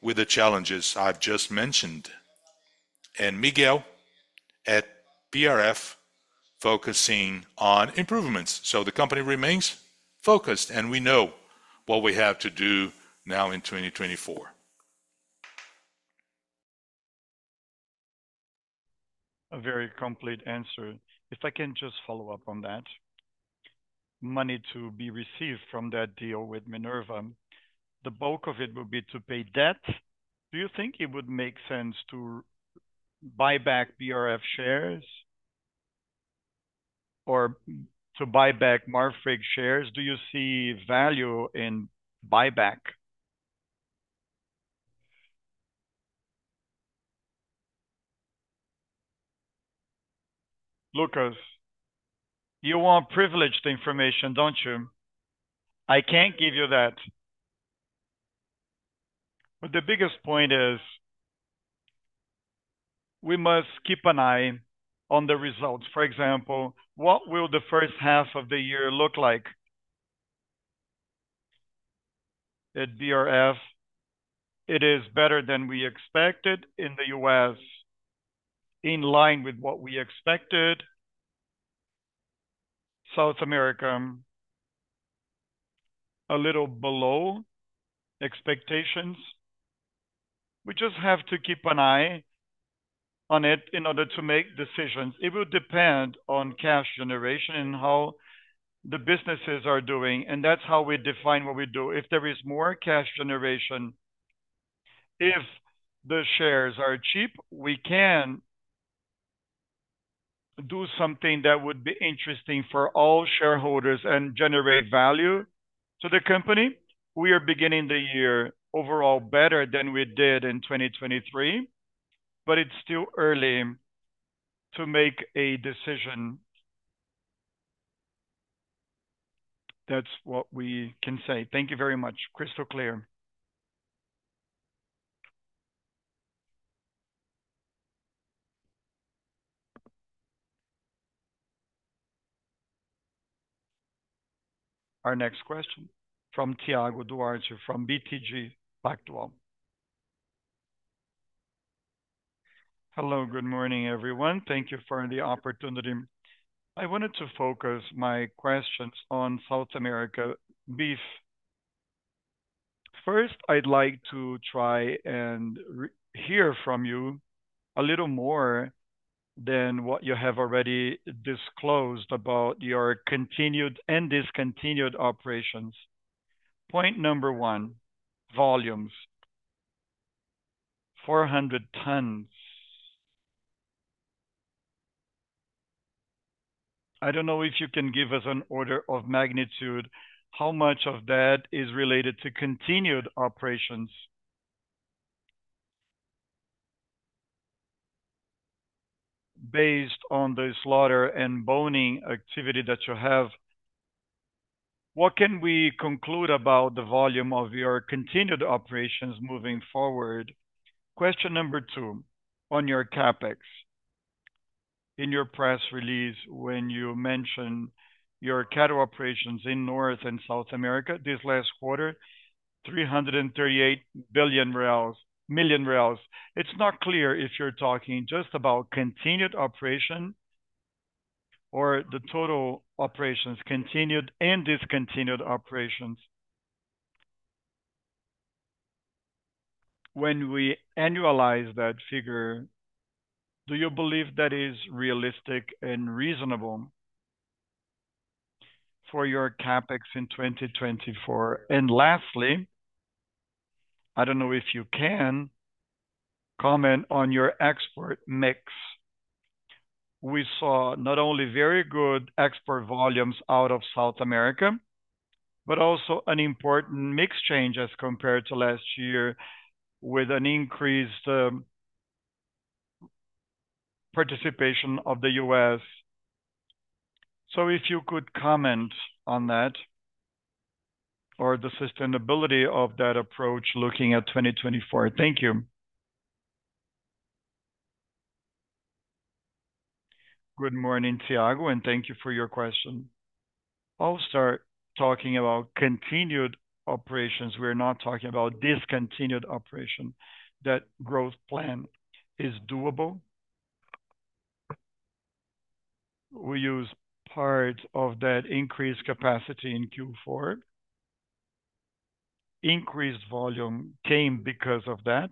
with the challenges I've just mentioned, and Miguel at BRF, focusing on improvements. So the company remains focused, and we know what we have to do now in 2024. A very complete answer. If I can just follow up on that, money to be received from that deal with Minerva, the bulk of it will be to pay debt. Do you think it would make sense to buy back BRF shares or to buy back Marfrig shares? Do you see value in buyback? Lucas, you want privileged information, don't you? I can't give you that. But the biggest point is, we must keep an eye on the results. For example, what will the first half of the year look like? At BRF, it is better than we expected in the U.S., in line with what we expected. South America, a little below expectations. We just have to keep an eye on it in order to make decisions. It will depend on cash generation and how the businesses are doing, and that's how we define what we do. If there is more cash generation, if the shares are cheap, we can do something that would be interesting for all shareholders and generate value to the company. We are beginning the year overall better than we did in 2023, but it's still early to make a decision. That's what we can say. Thank you very much. Crystal clear. Our next question from Thiago Duarte, from BTG Pactual. Hello, good morning, everyone. Thank you for the opportunity. I wanted to focus my questions on South America beef. First, I'd like to try and hear from you a little more than what you have already disclosed about your continued and discontinued operations. Point number one, volumes. 400 tons. I don't know if you can give us an order of magnitude, how much of that is related to continued operations? Based on the slaughter and boning activity that you have, what can we conclude about the volume of your continued operations moving forward? Question number two, on your CapEx. In your press release, when you mention your cattle operations in North and South America this last quarter, 338 million reais reals. It's not clear if you're talking just about continued operation or the total operations, continued and discontinued operations. When we annualize that figure, do you believe that is realistic and reasonable for your CapEx in 2024? And lastly, I don't know if you can comment on your export mix. We saw not only very good export volumes out of South America, but also an important mix change as compared to last year, with an increased participation of the U.S. So if you could comment on that or the sustainability of that approach looking at 2024. Thank you. Good morning, Thiago, and thank you for your question. I'll start talking about continued operations, we're not talking about discontinued operation. That growth plan is doable. We use part of that increased capacity in Q4. Increased volume came because of that.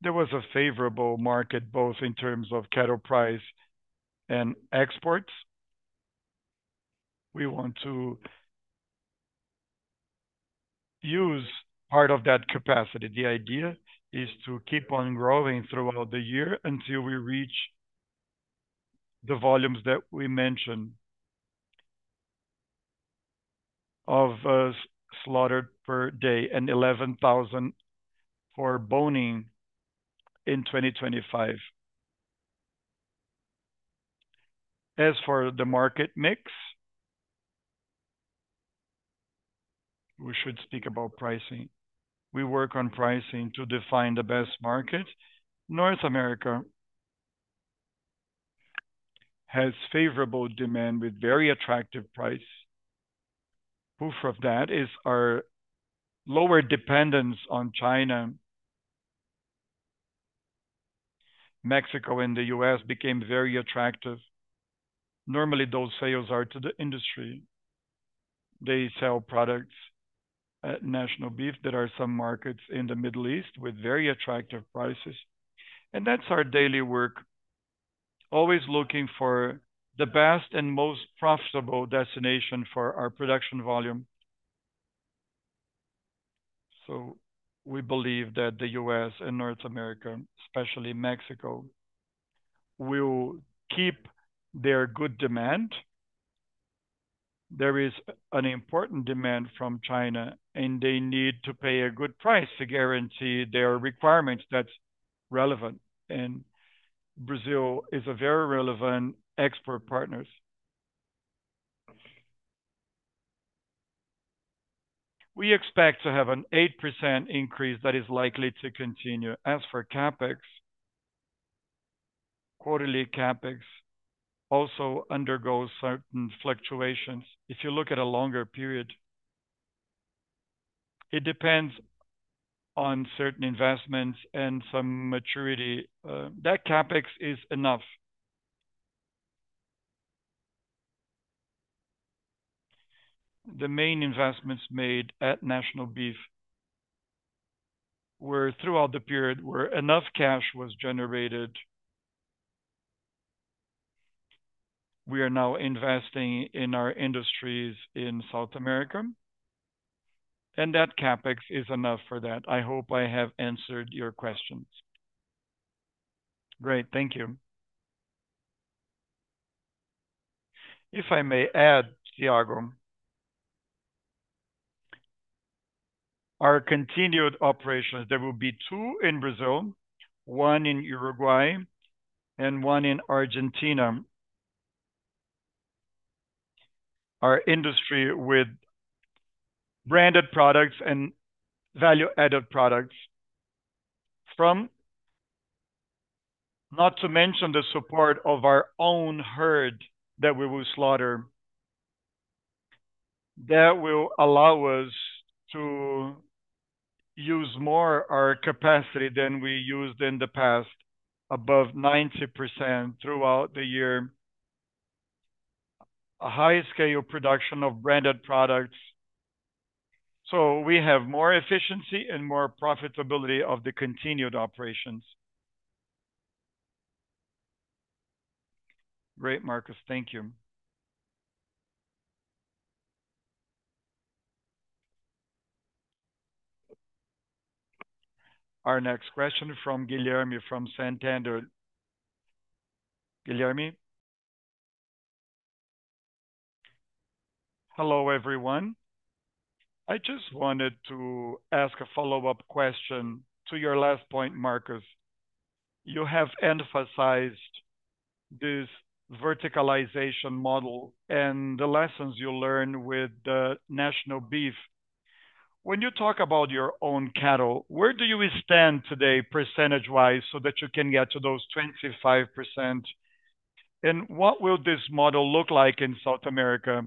There was a favorable market, both in terms of cattle price and exports. We want to use part of that capacity. The idea is to keep on growing throughout the year until we reach the volumes that we mentioned of slaughter per day and 11,000 for boning in 2025. As for the market mix, we should speak about pricing. We work on pricing to define the best market. North America has favorable demand with very attractive price. Proof of that is our lower dependence on China. Mexico and the U.S. became very attractive. Normally, those sales are to the industry. They sell products at National Beef. There are some markets in the Middle East with very attractive prices, and that's our daily work, always looking for the best and most profitable destination for our production volume. So we believe that the U.S. and North America, especially Mexico, will keep their good demand. There is an important demand from China, and they need to pay a good price to guarantee their requirements. That's relevant, and Brazil is a very relevant export partners. We expect to have an 8% increase that is likely to continue. As for CapEx, quarterly CapEx also undergoes certain fluctuations. If you look at a longer period, it depends on certain investments and some maturity. That CapEx is enough. The main investments made at National Beef were throughout the period, where enough cash was generated. We are now investing in our industries in South America, and that CapEx is enough for that. I hope I have answered your questions. Great, thank you. If I may add, Thiago, our continued operations, there will be two in Brazil, one in Uruguay, and one in Argentina. Our industry with branded products and value-added products from, not to mention the support of our own herd that we will slaughter, that will allow us to use more our capacity than we used in the past, above 90% throughout the year. A high-scale production of branded products, so we have more efficiency and more profitability of the continued operations. Great, Marcos. Thank you. Our next question from Guilherme, from Santander. Guilherme? Hello, everyone. I just wanted to ask a follow-up question to your last point, Marcos. You have emphasized this verticalization model and the lessons you learned with the National Beef. When you talk about your own cattle, where do you stand today, percentage-wise, so that you can get to those 25%? And what will this model look like in South America?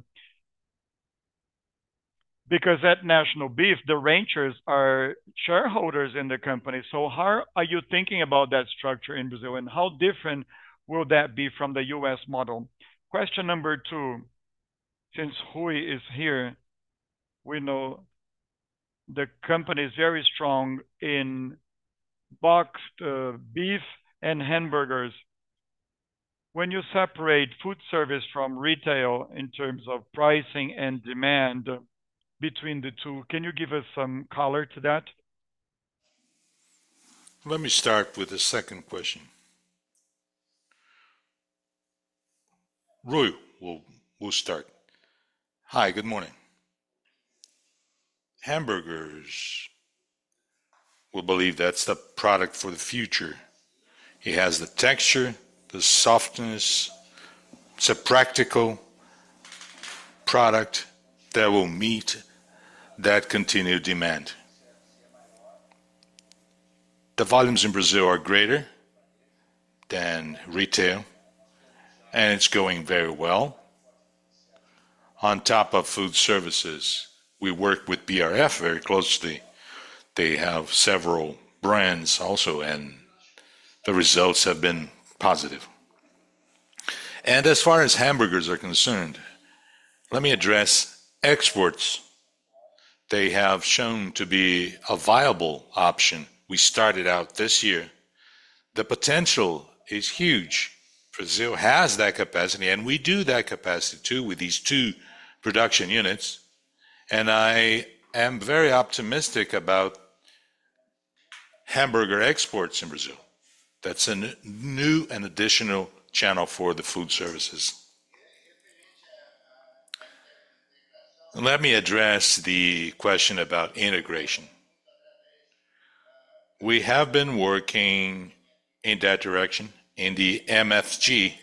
Because at National Beef, the ranchers are shareholders in the company, so how are you thinking about that structure in Brazil, and how different will that be from the U.S. model? Question number two, since Rui is here, we know the company is very strong in boxed beef and hamburgers. When you separate food service from retail in terms of pricing and demand between the two, can you give us some color to that? Let me start with the second question. Rui, we'll start. Hi, good morning. Hamburgers, we believe that's the product for the future. It has the texture, the softness. It's a practical product that will meet that continued demand. The volumes in Brazil are greater than retail, and it's going very well. On top of food services, we work with BRF very closely. They have several brands also, and the results have been positive. As far as hamburgers are concerned, let me address exports. They have shown to be a viable option. We started out this year. The potential is huge. Brazil has that capacity, and we do that capacity, too, with these two production units, and I am very optimistic about hamburger exports in Brazil. That's a new and additional channel for the food services. Let me address the question about integration. We have been working in that direction, in the MFG,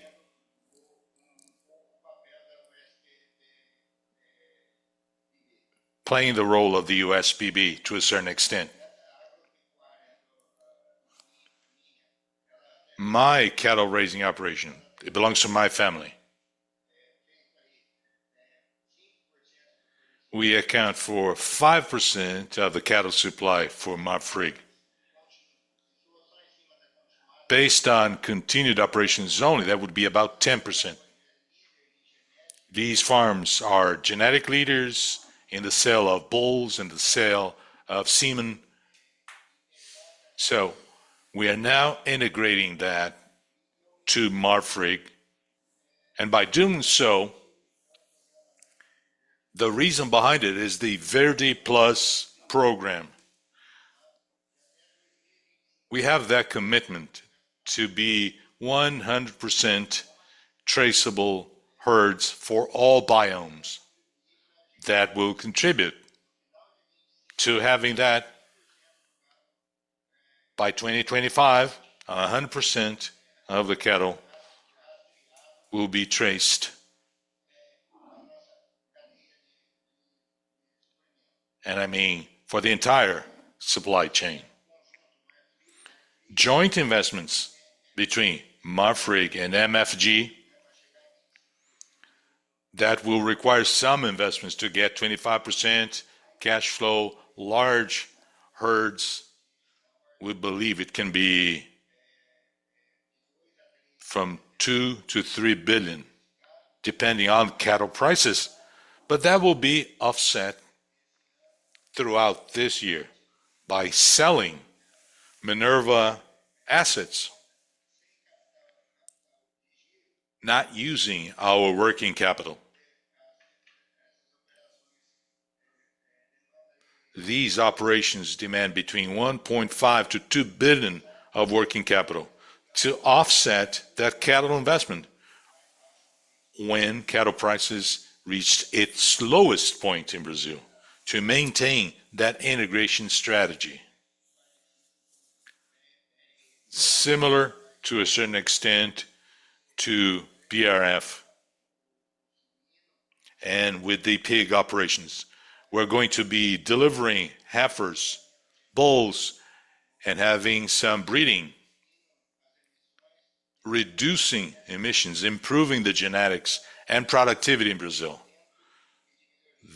playing the role of the USPB to a certain extent. My cattle raising operation, it belongs to my family. We account for 5% of the cattle supply for Marfrig. Based on continued operations only, that would be about 10%. These farms are genetic leaders in the sale of bulls and the sale of semen, so we are now integrating that to Marfrig. And by doing so, the reason behind it is the Verde+ program. We have that commitment to be 100% traceable herds for all biomes. That will contribute to having that by 2025, 100% of the cattle will be traced. And I mean, for the entire supply chain. Joint investments between Marfrig and MFG, that will require some investments to get 25% cash flow, large herds. We believe it can be from $2 billion-$3 billion, depending on cattle prices, but that will be offset throughout this year by selling Minerva assets, not using our working capital. These operations demand between $1.5 billion-$2 billion of working capital to offset that cattle investment when cattle prices reached its lowest point in Brazil, to maintain that integration strategy. Similar, to a certain extent, to BRF and with the pig operations. We're going to be delivering heifers, bulls, and having some breeding, reducing emissions, improving the genetics and productivity in Brazil.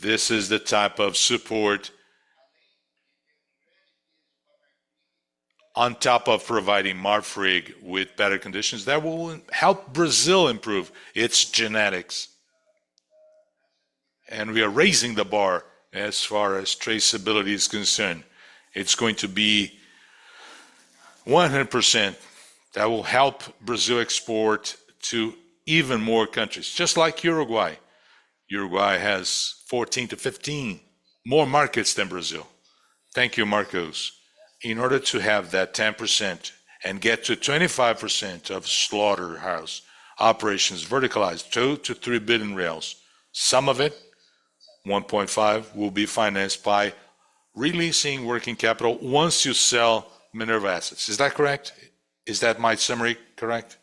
This is the type of support, on top of providing Marfrig with better conditions, that will help Brazil improve its genetics. And we are raising the bar as far as traceability is concerned. It's going to be 100%. That will help Brazil export to even more countries, just like Uruguay. Uruguay has 14-15 more markets than Brazil. Thank you, Marcos. In order to have that 10% and get to 25% of slaughterhouse operations verticalized, 2 billion-3 billion, some of it, 1.5 billion, will be financed by releasing working capital once you sell Minerva assets. Is that correct? Is that my summary correct?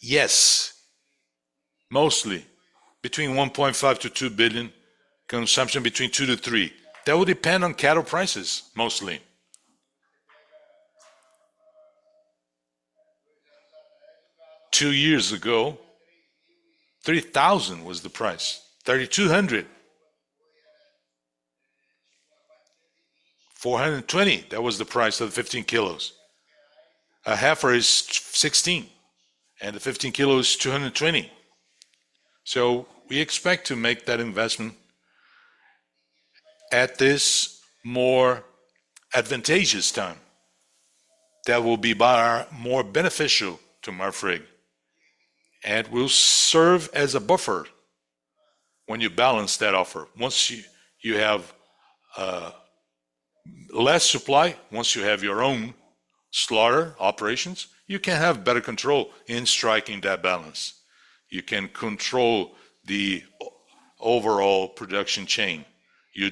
Yes, mostly between 1.5 billion-2 billion, consumption between 2 billion-3 billion. That will depend on cattle prices, mostly. Two years ago, 3,000 was the price, 3,200. 420, that was the price of 15 kg. A heifer is 16, and the 15 kg is 220. So we expect to make that investment at this more advantageous time. That will be more beneficial to Marfrig and will serve as a buffer when you balance that offer. Once you have less supply, once you have your own slaughter operations, you can have better control in striking that balance. You can control the overall production chain. You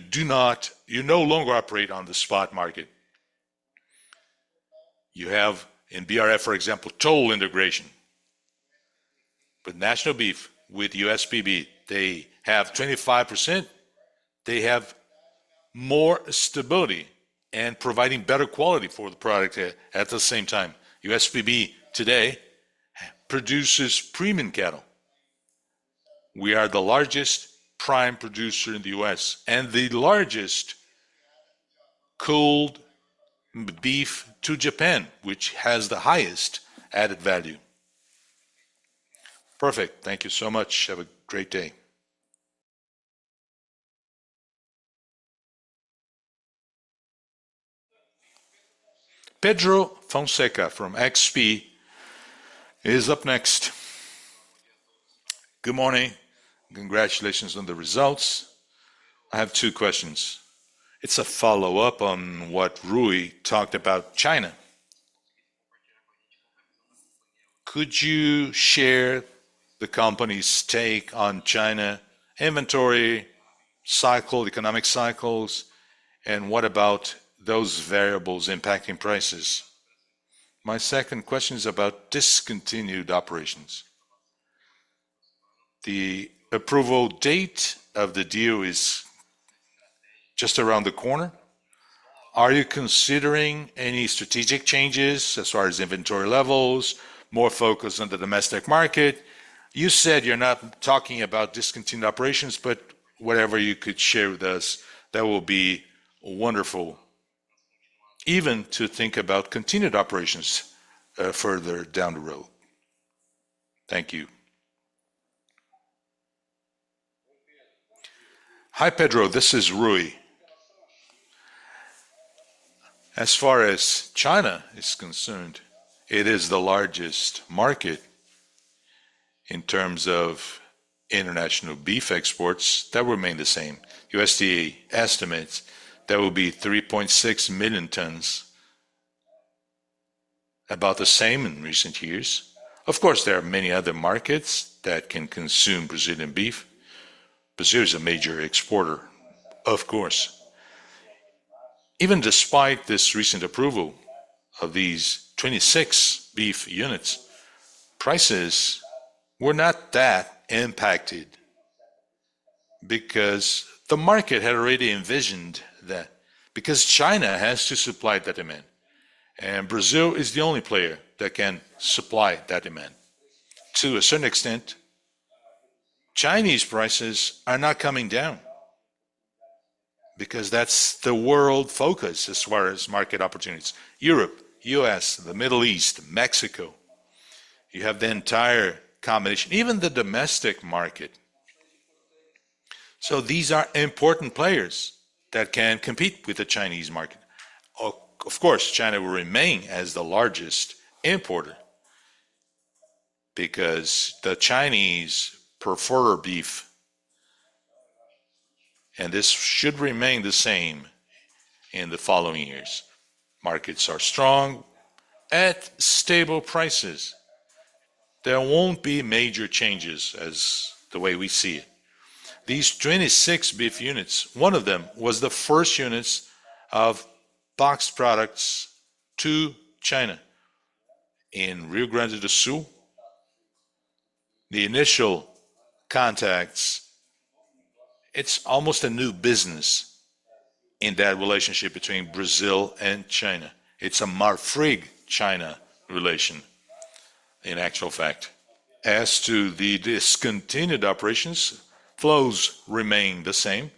no longer operate on the spot market. You have, in BRF, for example, total integration. But National Beef, with USPB, they have 25%. They have more stability and providing better quality for the product at the same time. USPB today produces premium cattle. We are the largest prime producer in the U.S. and the largest cooled beef to Japan, which has the highest added value. Perfect. Thank you so much. Have a great day. Pedro Fonseca from XP is up next. Good morning. Congratulations on the results. I have two questions. It's a follow-up on what Rui talked about China. Could you share the company's take on China inventory cycle, economic cycles, and what about those variables impacting prices? My second question is about discontinued operations. The approval date of the deal is just around the corner. Are you considering any strategic changes as far as inventory levels, more focus on the domestic market? You said you're not talking about discontinued operations, but whatever you could share with us, that will be wonderful, even to think about continued operations, further down the road. Thank you. Hi, Pedro, this is Rui. As far as China is concerned, it is the largest market. In terms of international beef exports, that remain the same. USDA estimates that will be 3.6 million tons, about the same in recent years. Of course, there are many other markets that can consume Brazilian beef. Brazil is a major exporter, of course. Even despite this recent approval of these 26 beef units, prices were not that impacted, because the market had already envisioned that, because China has to supply that demand, and Brazil is the only player that can supply that demand. To a certain extent, Chinese prices are not coming down, because that's the world focus as far as market opportunities. Europe, U.S., the Middle East, Mexico, you have the entire combination, even the domestic market. So these are important players that can compete with the Chinese market. Of course, China will remain as the largest importer, because the Chinese prefer beef, and this should remain the same in the following years. Markets are strong at stable prices. There won't be major changes as the way we see it. These 26 beef units, one of them was the first units of box products to China. In Rio Grande do Sul, the initial contacts, it's almost a new business in that relationship between Brazil and China. It's a Marfrig-China relation, in actual fact. As to the discontinued operations, flows remain the same,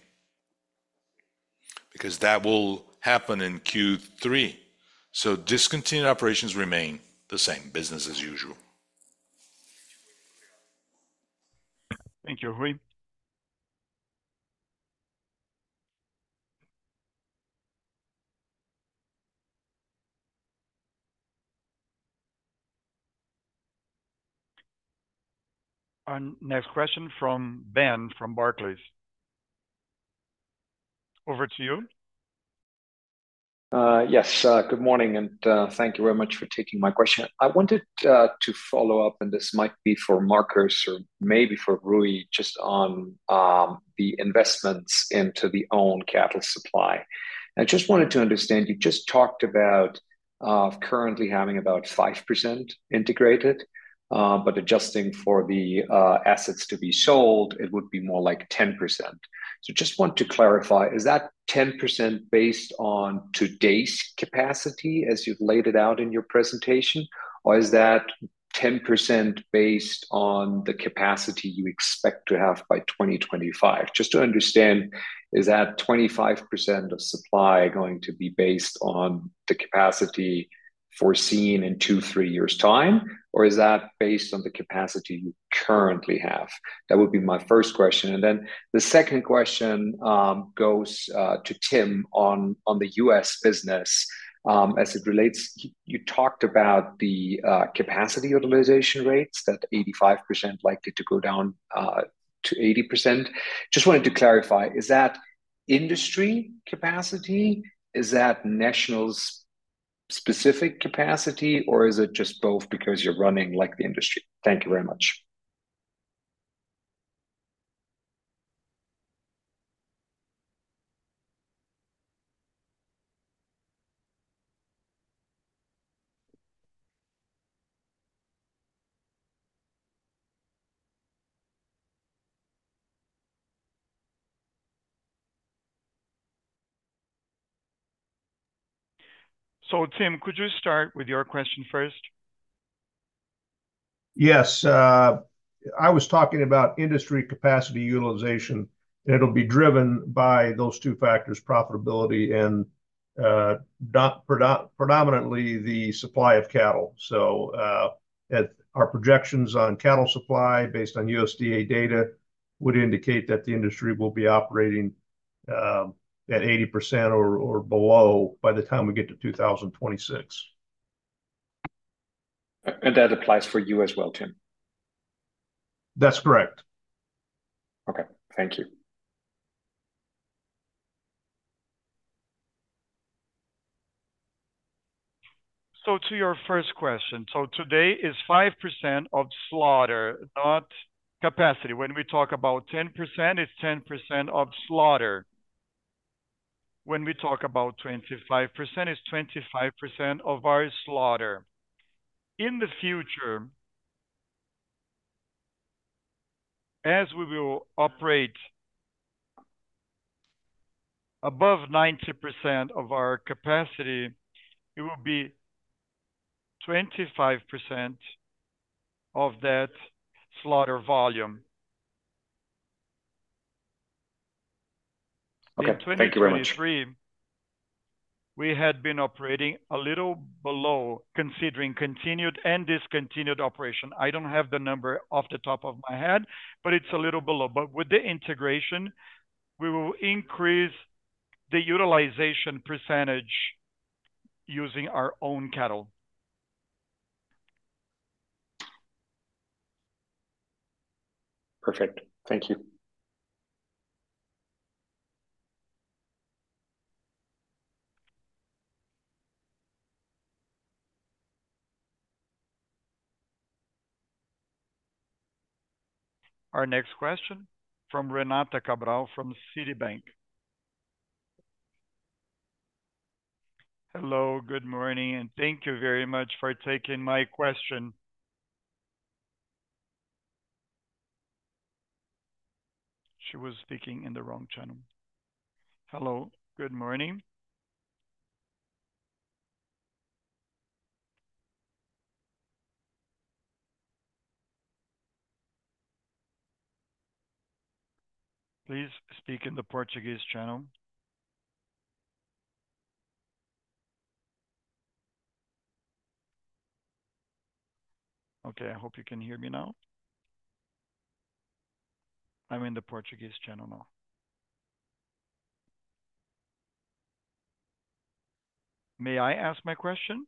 because that will happen in Q3. Discontinued operations remain the same, business as usual. Thank you, Rui. Our next question from Ben, from Barclays. Over to you. Yes, good morning, and thank you very much for taking my question. I wanted to follow up, and this might be for Marcos or maybe for Rui, just on the investments into the own cattle supply. I just wanted to understand, you just talked about currently having about 5% integrated, but adjusting for the assets to be sold, it would be more like 10%. So just want to clarify, is that 10% based on today's capacity as you've laid it out in your presentation? Or is that 10% based on the capacity you expect to have by 2025? Just to understand, is that 25% of supply going to be based on the capacity foreseen in two, three years' time, or is that based on the capacity you currently have? That would be my first question. Then the second question goes to Tim on the U.S. business as it relates. You talked about the capacity utilization rates, that 85% likely to go down to 80%. Just wanted to clarify, is that industry capacity? Is that National's specific capacity, or is it just both because you're running like the industry? Thank you very much. So Tim, could you start with your question first? Yes, I was talking about industry capacity utilization. It'll be driven by those two factors, profitability and predominantly the supply of cattle. So, our projections on cattle supply, based on USDA data, would indicate that the industry will be operating at 80% or below by the time we get to 2026. That applies for you as well, Tim? That's correct. Okay, thank you. So to your first question, so today is 5% of slaughter, not capacity. When we talk about 10%, it's 10% of slaughter. When we talk about 25%, it's 25% of our slaughter. In the future, as we will operate above 90% of our capacity, it will be 25% of that slaughter volume. Okay. Thank you very much. In 2023, we had been operating a little below, considering continued and discontinued operation. I don't have the number off the top of my head, but it's a little below. But with the integration, we will increase the utilization percentage using our own cattle. Perfect. Thank you. Our next question from Renata Cabral from Citibank. Hello, good morning, and thank you very much for taking my question. She was speaking in the wrong channel. Hello, good morning. Please speak in the Portuguese channel. Okay, I hope you can hear me now. I'm in the Portuguese channel now. May I ask my question?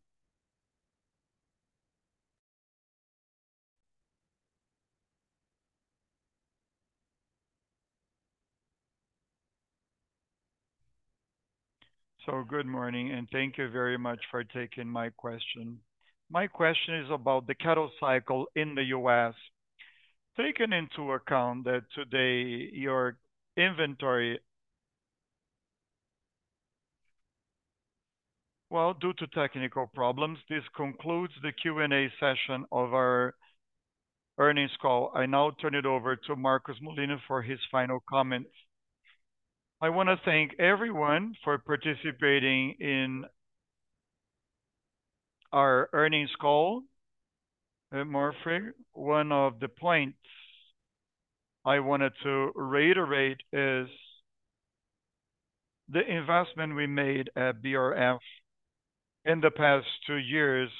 So good morning, and thank you very much for taking my question. My question is about the cattle cycle in the U.S. Taking into account that today your inventory. Well, due to technical problems, this concludes the Q&A session of our earnings call. I now turn it over to Marcos Molina for his final comments. I want to thank everyone for participating in our earnings call at Marfrig. One of the points I wanted to reiterate is the investment we made at BRF in the past two years.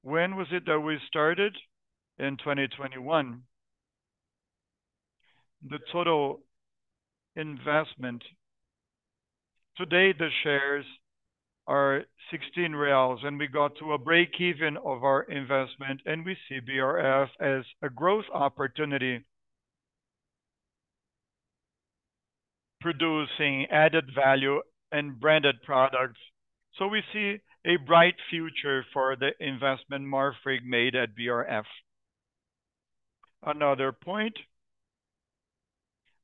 When was it that we started? In 2021. The total investment, today the shares are 16 reais, and we got to a break-even of our investment, and we see BRF as a growth opportunity, producing added value and branded products. So we see a bright future for the investment Marfrig made at BRF. Another point,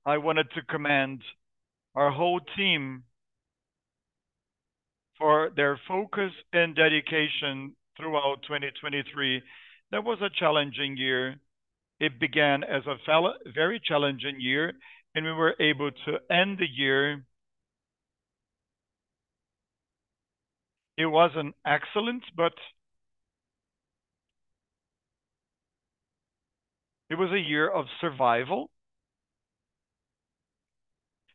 I wanted to commend our whole team for their focus and dedication throughout 2023. That was a challenging year. It began as a very challenging year, and we were able to end the year. It wasn't excellent, but it was a year of survival.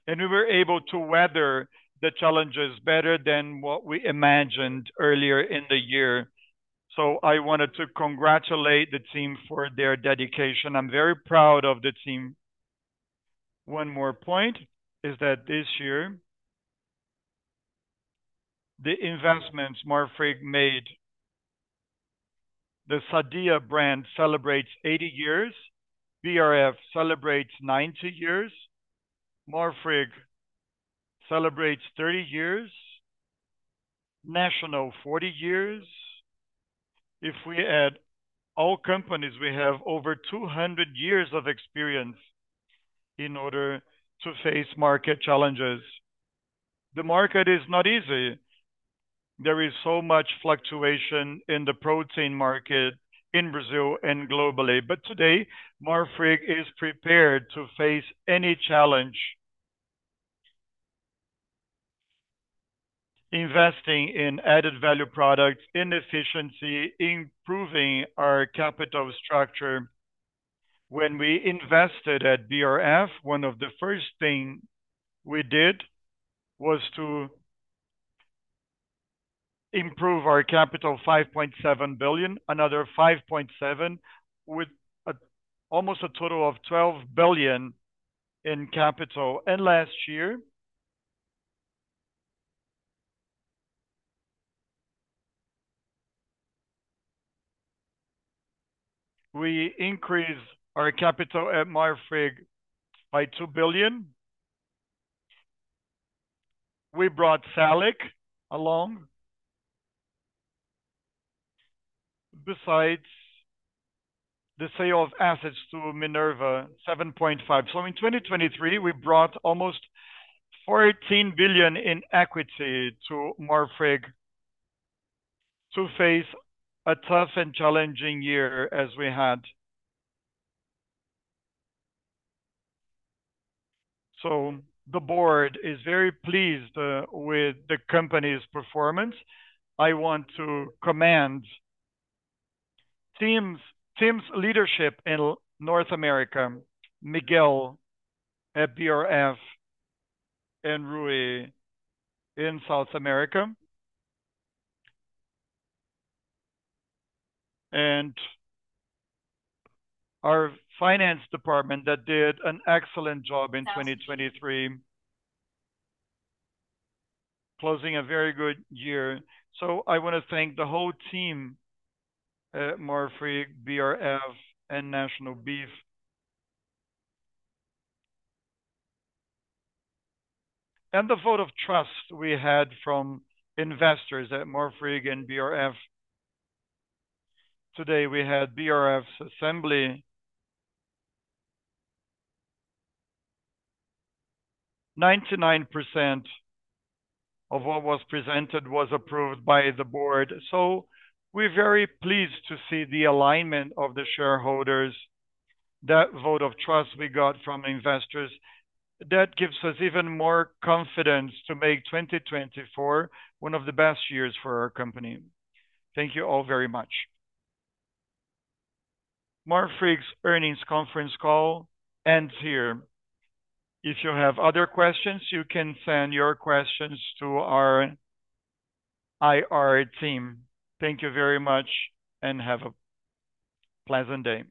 And we were able to weather the challenges better than what we imagined earlier in the year. So I wanted to congratulate the team for their dedication. I'm very proud of the team. One more point is that this year, the investments Marfrig made, the Sadia brand celebrates 80 years, BRF celebrates 90 years, Marfrig celebrates 30 years, National, 40 years. If we add all companies, we have over 200 years of experience in order to face market challenges. The market is not easy. There is so much fluctuation in the protein market in Brazil and globally. But today, Marfrig is prepared to face any challenge, investing in added value products, in efficiency, improving our capital structure. When we invested at BRF, one of the first thing we did was to improve our capital $5.7 billion, another $5.7 billion, with a, almost a total of $12 billion in capital. And last year, we increased our capital at Marfrig by $2 billion. We brought SALIC along, besides the sale of assets to Minerva, $7.5 billion. So in 2023, we brought almost $14 billion in equity to Marfrig to face a tough and challenging year as we had. So the board is very pleased with the company's performance. I want to commend team's, team's leadership in North America, Miguel at BRF, and Rui in South America, and our finance department that did an excellent job in 2023, closing a very good year. So I want to thank the whole team at Marfrig, BRF, and National Beef. And the vote of trust we had from investors at Marfrig and BRF. Today, we had BRF's assembly. 99% of what was presented was approved by the board, so we're very pleased to see the alignment of the shareholders. That vote of trust we got from investors, that gives us even more confidence to make 2024 one of the best years for our company. Thank you all very much. Marfrig's earnings conference call ends here. If you have other questions, you can send your questions to our IR team. Thank you very much, and have a pleasant day.